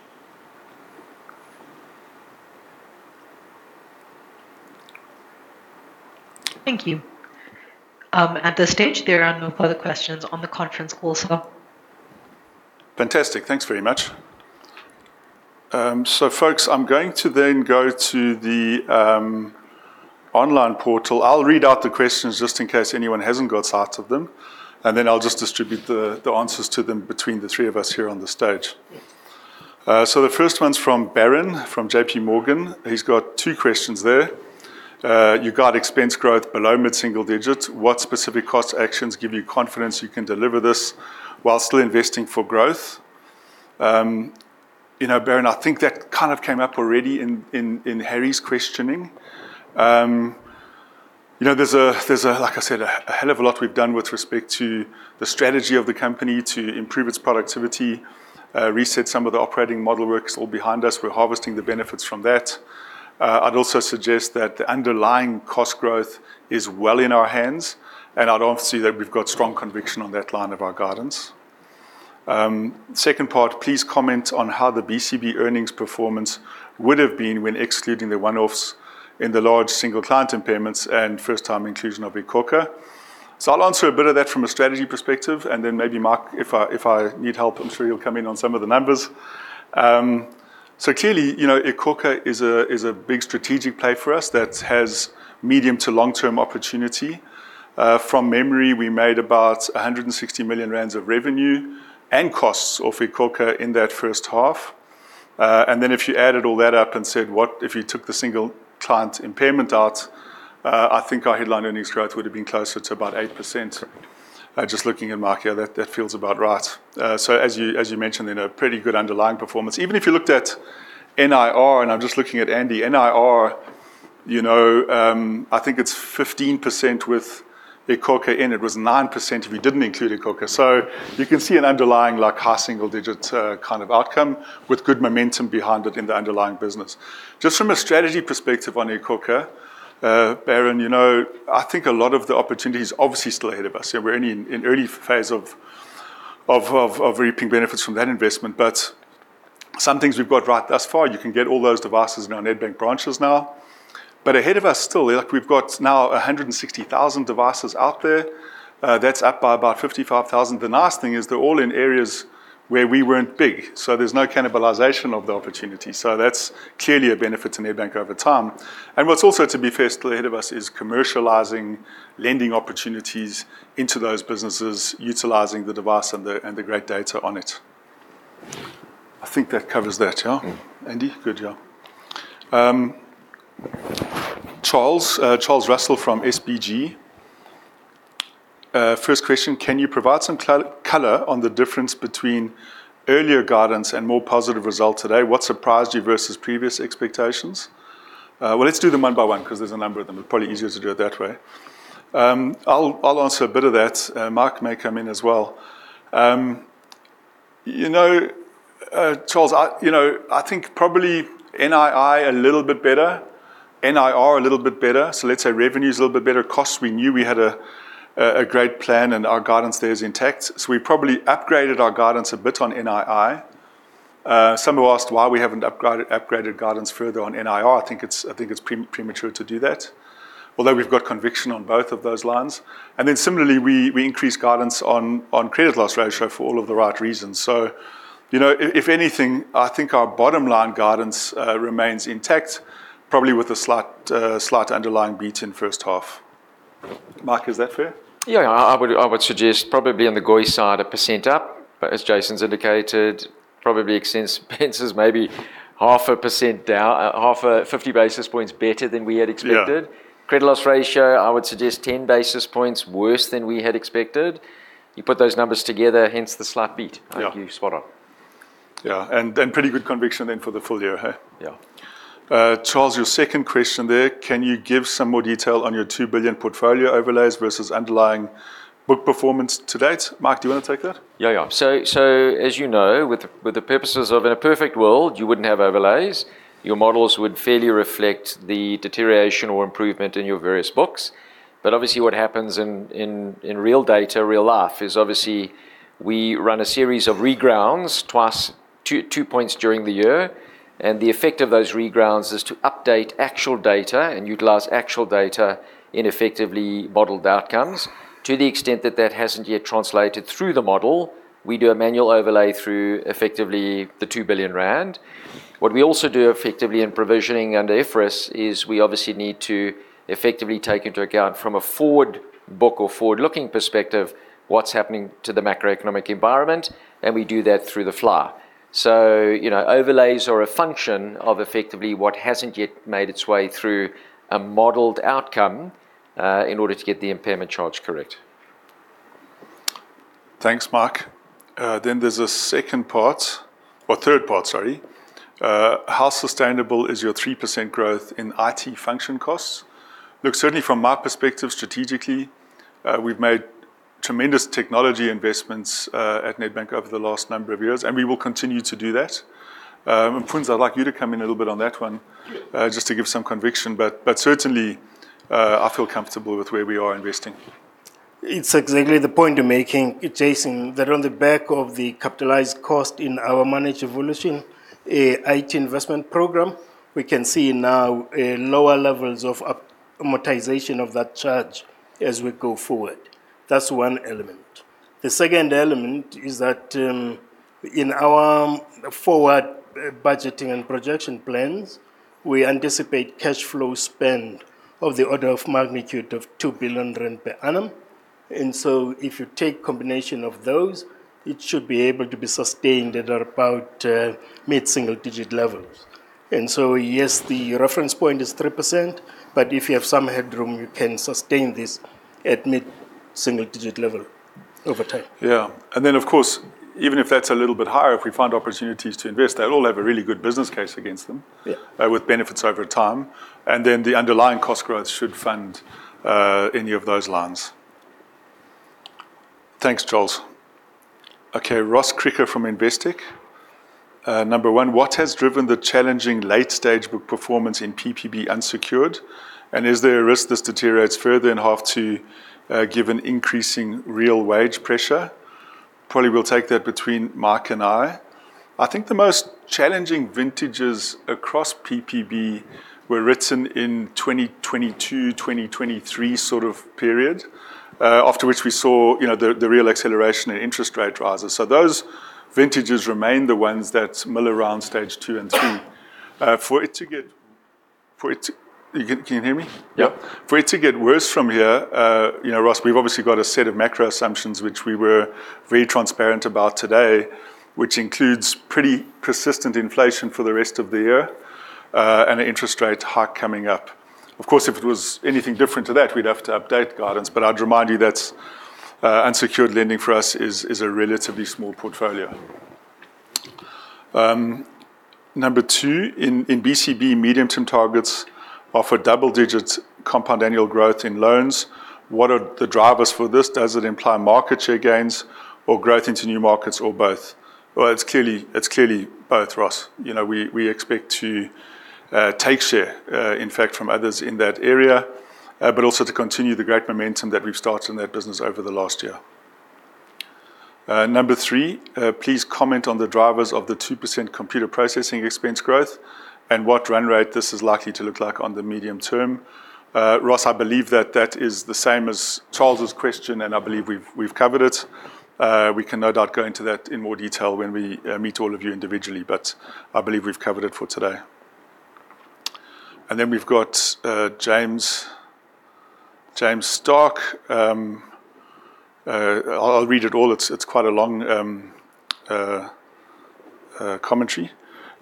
Thank you. At this stage, there are no further questions on the conference call, sir. Fantastic. Thanks very much. Folks, I'm going to then go to the online portal. I'll read out the questions just in case anyone hasn't got sight of them, then I'll just distribute the answers to them between the three of us here on the stage. Yeah. The first one's from Baron from JPMorgan. He's got two questions there. You got expense growth below mid-single digits. What specific cost actions give you confidence you can deliver this while still investing for growth? Baron, I think that kind of came up already in Harry's questioning. There's, like I said, a hell of a lot we've done with respect to the strategy of the company to improve its productivity, reset some of the operating model works all behind us. We're harvesting the benefits from that. I'd also suggest that the underlying cost growth is well in our hands, I'd obviously that we've got strong conviction on that line of our guidance. Second part, please comment on how the BCB earnings performance would have been when excluding the one-offs in the large single client impairments and first time inclusion of iKhokha. I'll answer a bit of that from a strategy perspective, and then maybe Mike, if I need help, I'm sure you'll come in on some of the numbers. Clearly, iKhokha is a big strategic play for us that has medium to long-term opportunity. From memory, we made about 160 million rand of revenue and costs of iKhokha in that first half. If you added all that up and said, what if you took the single client impairment out, I think our headline earnings growth would have been closer to about 8%. Just looking at Mike here, that feels about right. As you mentioned in a pretty good underlying performance. Even if you looked at NIR, and I'm just looking at Andy. NIR, I think it's 15% with iKhokha in. It was 9% if you didn't include iKhokha. You can see an underlying like high-single-digits kind of outcome with good momentum behind it in the underlying business. Just from a strategy perspective on iKhokha, Baron, I think a lot of the opportunity is obviously still ahead of us here. We're only in early phase of reaping benefits from that investment. Some things we've got right thus far, you can get all those devices in our Nedbank branches now. Ahead of us still, we've got now 160,000 devices out there. That's up by about 55,000. The nice thing is they're all in areas where we weren't big, so there's no cannibalization of the opportunity. That's clearly a benefit to Nedbank over time. What's also to be fair, still ahead of us is commercializing lending opportunities into those businesses, utilizing the device and the great data on it. I think that covers that, yeah? Andy? Good. Yeah. Charles Russell from SBG. First question, can you provide some color on the difference between earlier guidance and more positive results today? What surprised you versus previous expectations? Let's do them one by one because there's a number of them. Probably easier to do it that way. I'll answer a bit of that. Mike may come in as well. Charles, I think probably NII a little bit better, NIR a little bit better. Let's say revenue is a little bit better. Costs, we knew we had a great plan and our guidance there is intact. We probably upgraded our guidance a bit on NII. Some have asked why we haven't upgraded guidance further on NIR. I think it's premature to do that, although we've got conviction on both of those lines. Similarly, we increased guidance on credit loss ratio for all of the right reasons. If anything, I think our bottom line guidance remains intact, probably with a slight underlying beat in first half. Mike, is that fair? Yeah. I would suggest probably on the GOI side, a percent up, as Jason's indicated, probably expense is maybe half a percent down, 50 basis points better than we had expected. Yeah. Credit loss ratio, I would suggest 10 basis points worse than we had expected. You put those numbers together, hence the slight beat. Yeah. You spot on. Yeah. Pretty good conviction then for the full-year, huh? Yeah. Charles, your second question there. Can you give some more detail on your 2 billion portfolio overlays versus underlying book performance to date? Mike, do you want to take that? Yeah. As you know, with the purposes of in a perfect world, you wouldn't have overlays. Your models would fairly reflect the deterioration or improvement in your various books. Obviously, what happens in real data, real life, is obviously we run a series of regrounds twice, two points during the year. The effect of those regrounds is to update actual data and utilize actual data in effectively modeled outcomes. To the extent that that hasn't yet translated through the model, we do a manual overlay through effectively the 2 billion rand. What we also do effectively in provisioning under IFRS is we obviously need to effectively take into account from a forward book or forward-looking perspective what's happening to the macroeconomic environment, and we do that through the FLI. Overlays are a function of effectively what hasn't yet made its way through a modeled outcome, in order to get the impairment charge correct. Thanks, Mike. There is a second part, or third part, sorry. How sustainable is your 3% growth in IT function costs? Look, certainly from my perspective, strategically, we have made tremendous technology investments at Nedbank over the last number of years, and we will continue to do that. Mfundo, I would like you to come in a little bit on that one. Yeah. Just to give some conviction. Certainly, I feel comfortable with where we are investing. It is exactly the point you are making, Jason, that on the back of the capitalized cost in our managed evolution IT investment program, we can see now lower levels of amortization of that charge as we go forward. That is one element. The second element is that in our forward budgeting and projection plans, we anticipate cash flow spend of the order of magnitude of 2 billion rand per annum. If you take combination of those, it should be able to be sustained at about mid-single-digit levels. Yes, the reference point is 3%, but if you have some headroom, you can sustain this at mid-single-digit level over time. Yeah. Of course, even if that is a little bit higher, if we find opportunities to invest, they will all have a really good business case against them. Yeah. With benefits over time. The underlying cost growth should fund any of those lines. Thanks, Charles. Okay, Ross Krige from Investec. Number one, what has driven the challenging late-stage book performance in PPB unsecured, and is there a risk this deteriorates further in half two given increasing real wage pressure? Probably we'll take that between Mike and I. I think the most challenging vintages across PPB were written in 2022, 2023 sort of period, after which we saw the real acceleration in interest rate rises. Those vintages remain the ones that mill around Stage 2 and 3. Can you hear me? Yep. For it to get worse from here, Ross, we've obviously got a set of macro assumptions, which we were very transparent about today, which includes pretty persistent inflation for the rest of the year, and an interest rate hike coming up. Of course, if it was anything different to that, we'd have to update guidance. I'd remind you that unsecured lending for us is a relatively small portfolio. Number two, in BCB, medium-term targets offer double-digit compound annual growth in loans. What are the drivers for this? Does it imply market share gains or growth into new markets or both? It's clearly both, Ross. We expect to take share, in fact, from others in that area. Also to continue the great momentum that we've started in that business over the last year. Number three, please comment on the drivers of the 2% computer processing expense growth and what run rate this is likely to look like on the medium term. Ross, I believe that that is the same as Charles's question, and I believe we've covered it. We can no doubt go into that in more detail when we meet all of you individually, but I believe we've covered it for today. We've got James Starke. I'll read it all. It's quite a long commentary.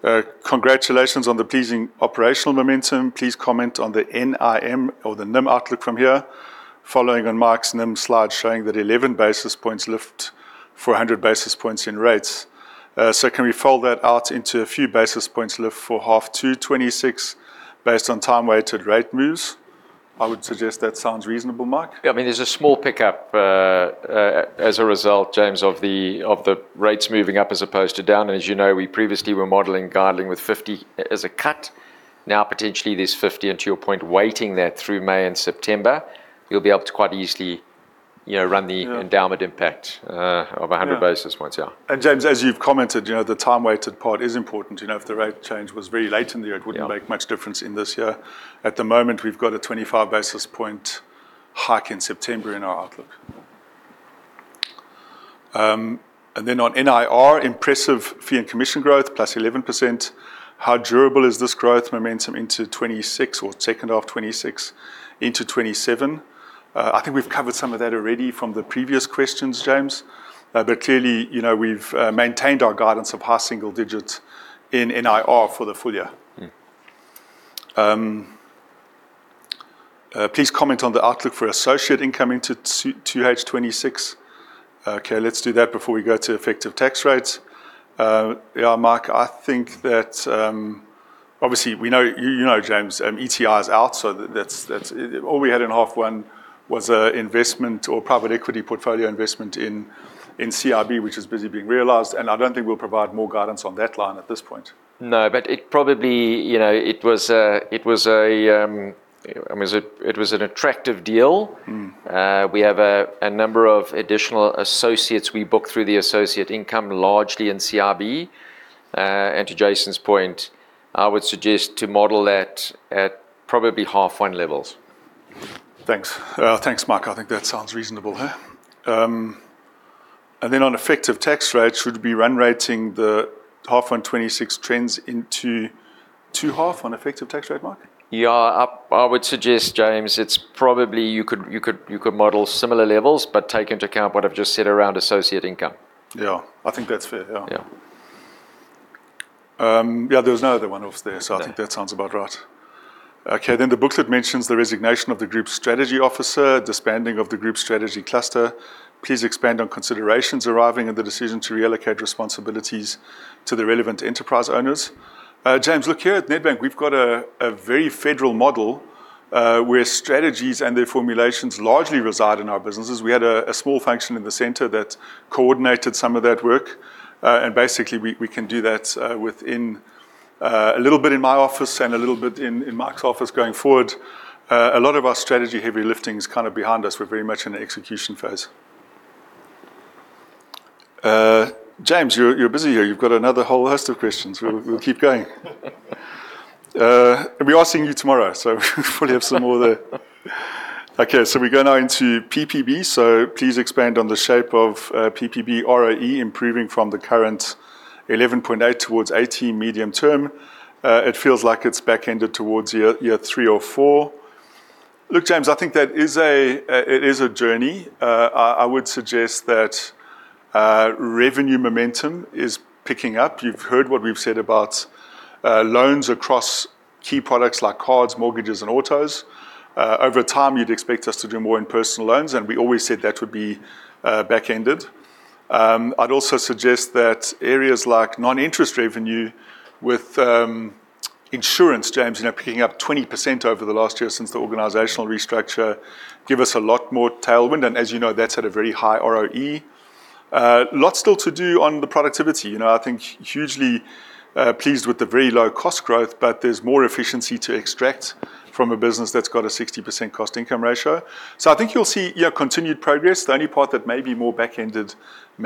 Congratulations on the pleasing operational momentum. Please comment on the N-I-M or the NIM outlook from here, following on Mike's NIM slide showing that 11 basis points lift for 100 basis points in rates. Can we fold that out into a few basis points lift for half two 2026 based on time-weighted rate moves? I would suggest that sounds reasonable, Mike. There's a small pickup as a result, James, of the rates moving up as opposed to down. As you know, we previously were modeling, guiding with 50 as a cut. Now, potentially, there's 50, and to your point, weighting that through May and September, you'll be able to quite easily Run the endowment impact of 100 basis points. James, as you've commented, the time-weighted part is important. If the rate change was very late in the year, it wouldn't make much difference in this year. At the moment, we've got a 25 basis point hike in September in our outlook. Then on NIR, impressive fee and commission growth, +11%. How durable is this growth momentum into 2026 or second half 2026 into 2027? I think we've covered some of that already from the previous questions, James. Clearly, we've maintained our guidance of high-single-digits in NIR for the full-year. Please comment on the outlook for associate income into 2H 2026. Okay, let's do that before we go to effective tax rates. Yeah, Mike, I think that obviously, you know James, ETI is out, so all we had in H1 was an investment or private equity portfolio investment in CIB, which is busy being realized, and I don't think we'll provide more guidance on that line at this point. No, it was an attractive deal. We have a number of additional associates we book through the associate income, largely in CIB. To Jason's point, I would suggest to model that at probably H1 levels. Thanks. Thanks, Mike. I think that sounds reasonable, huh? Then on effective tax rates, should we be run rating the half one 2026 trends into two half on effective tax rate, Mike? I would suggest, James, you could model similar levels but take into account what I've just said around associate income. I think that's fair. Yeah. There was no other one-off there. I think that sounds about right. The booklet mentions the resignation of the group strategy officer, disbanding of the group strategy cluster. Please expand on considerations arriving and the decision to reallocate responsibilities to the relevant enterprise owners. James, look, here at Nedbank, we've got a very federal model, where strategies and their formulations largely reside in our businesses. We had a small function in the center that coordinated some of that work. Basically, we can do that a little bit in my office and a little bit in Mike's office going forward. A lot of our strategy heavy lifting is behind us. We're very much in the execution phase. James, you're busy here. You've got another whole host of questions. We'll keep going. We are seeing you tomorrow, we probably have some more there. Okay, we go now into PPB. Please expand on the shape of PPB ROE improving from the current 11.8% towards 18% medium term. It feels like it's back-ended towards year three or four. Look, James, I think it is a journey. I would suggest that revenue momentum is picking up. You've heard what we've said about loans across key products like cards, mortgages, and autos. Over time, you'd expect us to do more in personal loans, and we always said that would be back-ended. I'd also suggest that areas like non-interest revenue with insurance, James, picking up 20% over the last year since the organizational restructure, give us a lot more tailwind. As you know, that's at a very high ROE. Lots still to do on the productivity. I think hugely pleased with the very low cost growth, there's more efficiency to extract from a business that's got a 60% cost-income ratio. I think you'll see your continued progress. The only part that may be more back-ended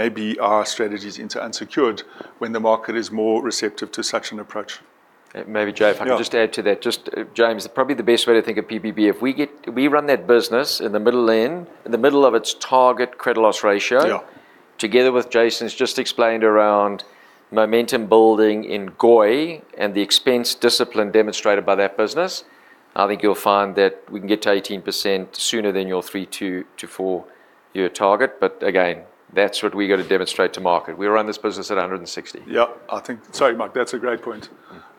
may be our strategies into unsecured when the market is more receptive to such an approach. Maybe, Jay- Yeah If I can just add to that. James, probably the best way to think of PPB, if we run that business in the middle lane, in the middle of its target credit loss ratio- Yeah together with Jason's just explained around momentum building in GOI and the expense discipline demonstrated by that business, I think you'll find that we can get to 18% sooner than your three to four year target. Again, that's what we got to demonstrate to market. We run this business at 160. Yeah. Sorry, Mike, that's a great point.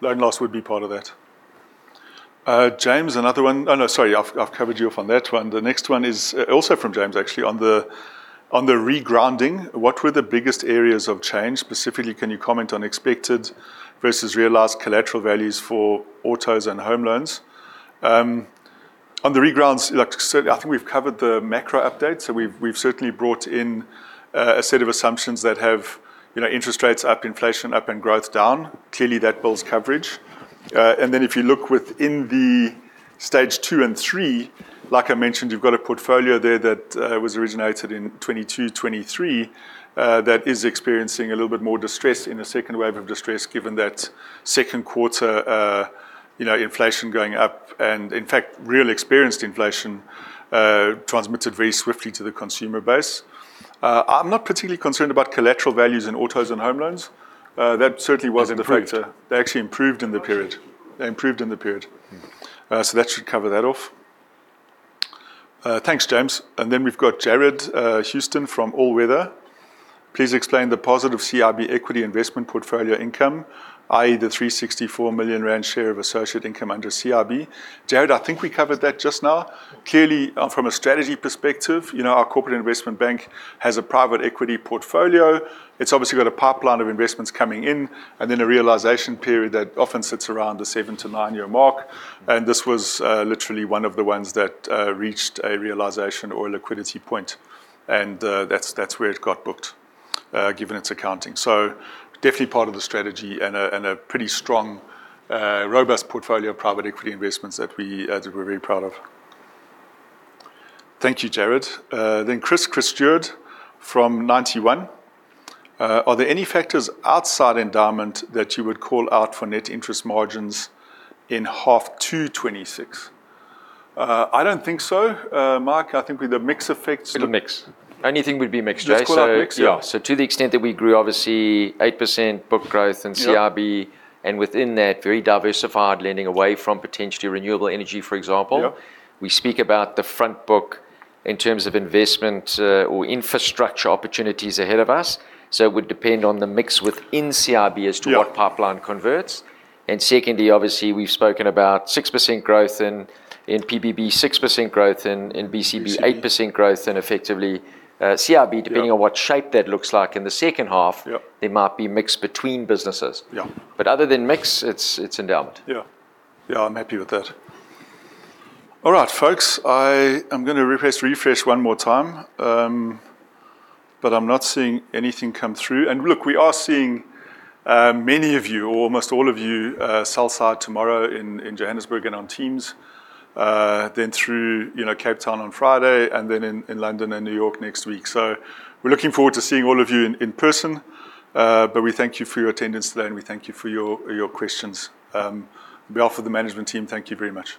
Loan loss would be part of that. James, another one. Oh, no, sorry. I've covered you off on that one. The next one is also from James, actually, on the regrounding. What were the biggest areas of change? Specifically, can you comment on expected versus realized collateral values for autos and home loans? On the regrounds, certainly, I think we've covered the macro update. We've certainly brought in a set of assumptions that have interest rates up, inflation up, and growth down. Clearly, that builds coverage. Then if you look within the Stage 2 and 3, like I mentioned, you've got a portfolio there that was originated in 2022, 2023, that is experiencing a little bit more distress in a second wave of distress, given that second quarter inflation going up. In fact, real experienced inflation transmitted very swiftly to the consumer base. I'm not particularly concerned about collateral values in autos and home loans. That certainly was in the picture. They improved. They actually improved in the period. Oh, sure. They improved in the period. That should cover that off. Thanks, James. We've got Jarred Houston from AllWeather. Please explain the positive CIB equity investment portfolio income, i.e., the 364 million rand share of associate income under CIB. Jarred, I think we covered that just now. Clearly, from a strategy perspective, our corporate investment bank has a private equity portfolio. It's obviously got a pipeline of investments coming in, and then a realization period that often sits around the seven to nine year mark. This was literally one of the ones that reached a realization or liquidity point. That's where it got booked, given its accounting. Definitely part of the strategy and a pretty strong, robust portfolio of private equity investments that we're very proud of. Thank you, Jarred. Chris Steward from Ninety One. Are there any factors outside endowment that you would call out for net interest margins in half two 2026? I don't think so. Mike, I think with the mix effects- Little mix. Only thing would be mix, Jay. Let's call out mix. Yeah. To the extent that we grew, obviously, 8% book growth in CIB. Yeah Within that, very diversified lending away from potentially renewable energy, for example. Yeah. We speak about the front book in terms of investment or infrastructure opportunities ahead of us. It would depend on the mix within CIB as to what pipeline converts. Secondly, obviously, we've spoken about 6% growth in PPB, 6% growth in BCB. BCB 8% growth in effectively CIB. Yeah. Depending on what shape that looks like in the second half. Yeah There might be mix between businesses. Yeah. Other than mix, it's endowment. Yeah. I'm happy with that. All right, folks, I am going to refresh one more time. I'm not seeing anything come through. Look, we are seeing many of you, or almost all of you south side tomorrow in Johannesburg and on Teams. Through Cape Town on Friday, and then in London and New York next week. We're looking forward to seeing all of you in person. We thank you for your attendance today, and we thank you for your questions. On behalf of the management team, thank you very much.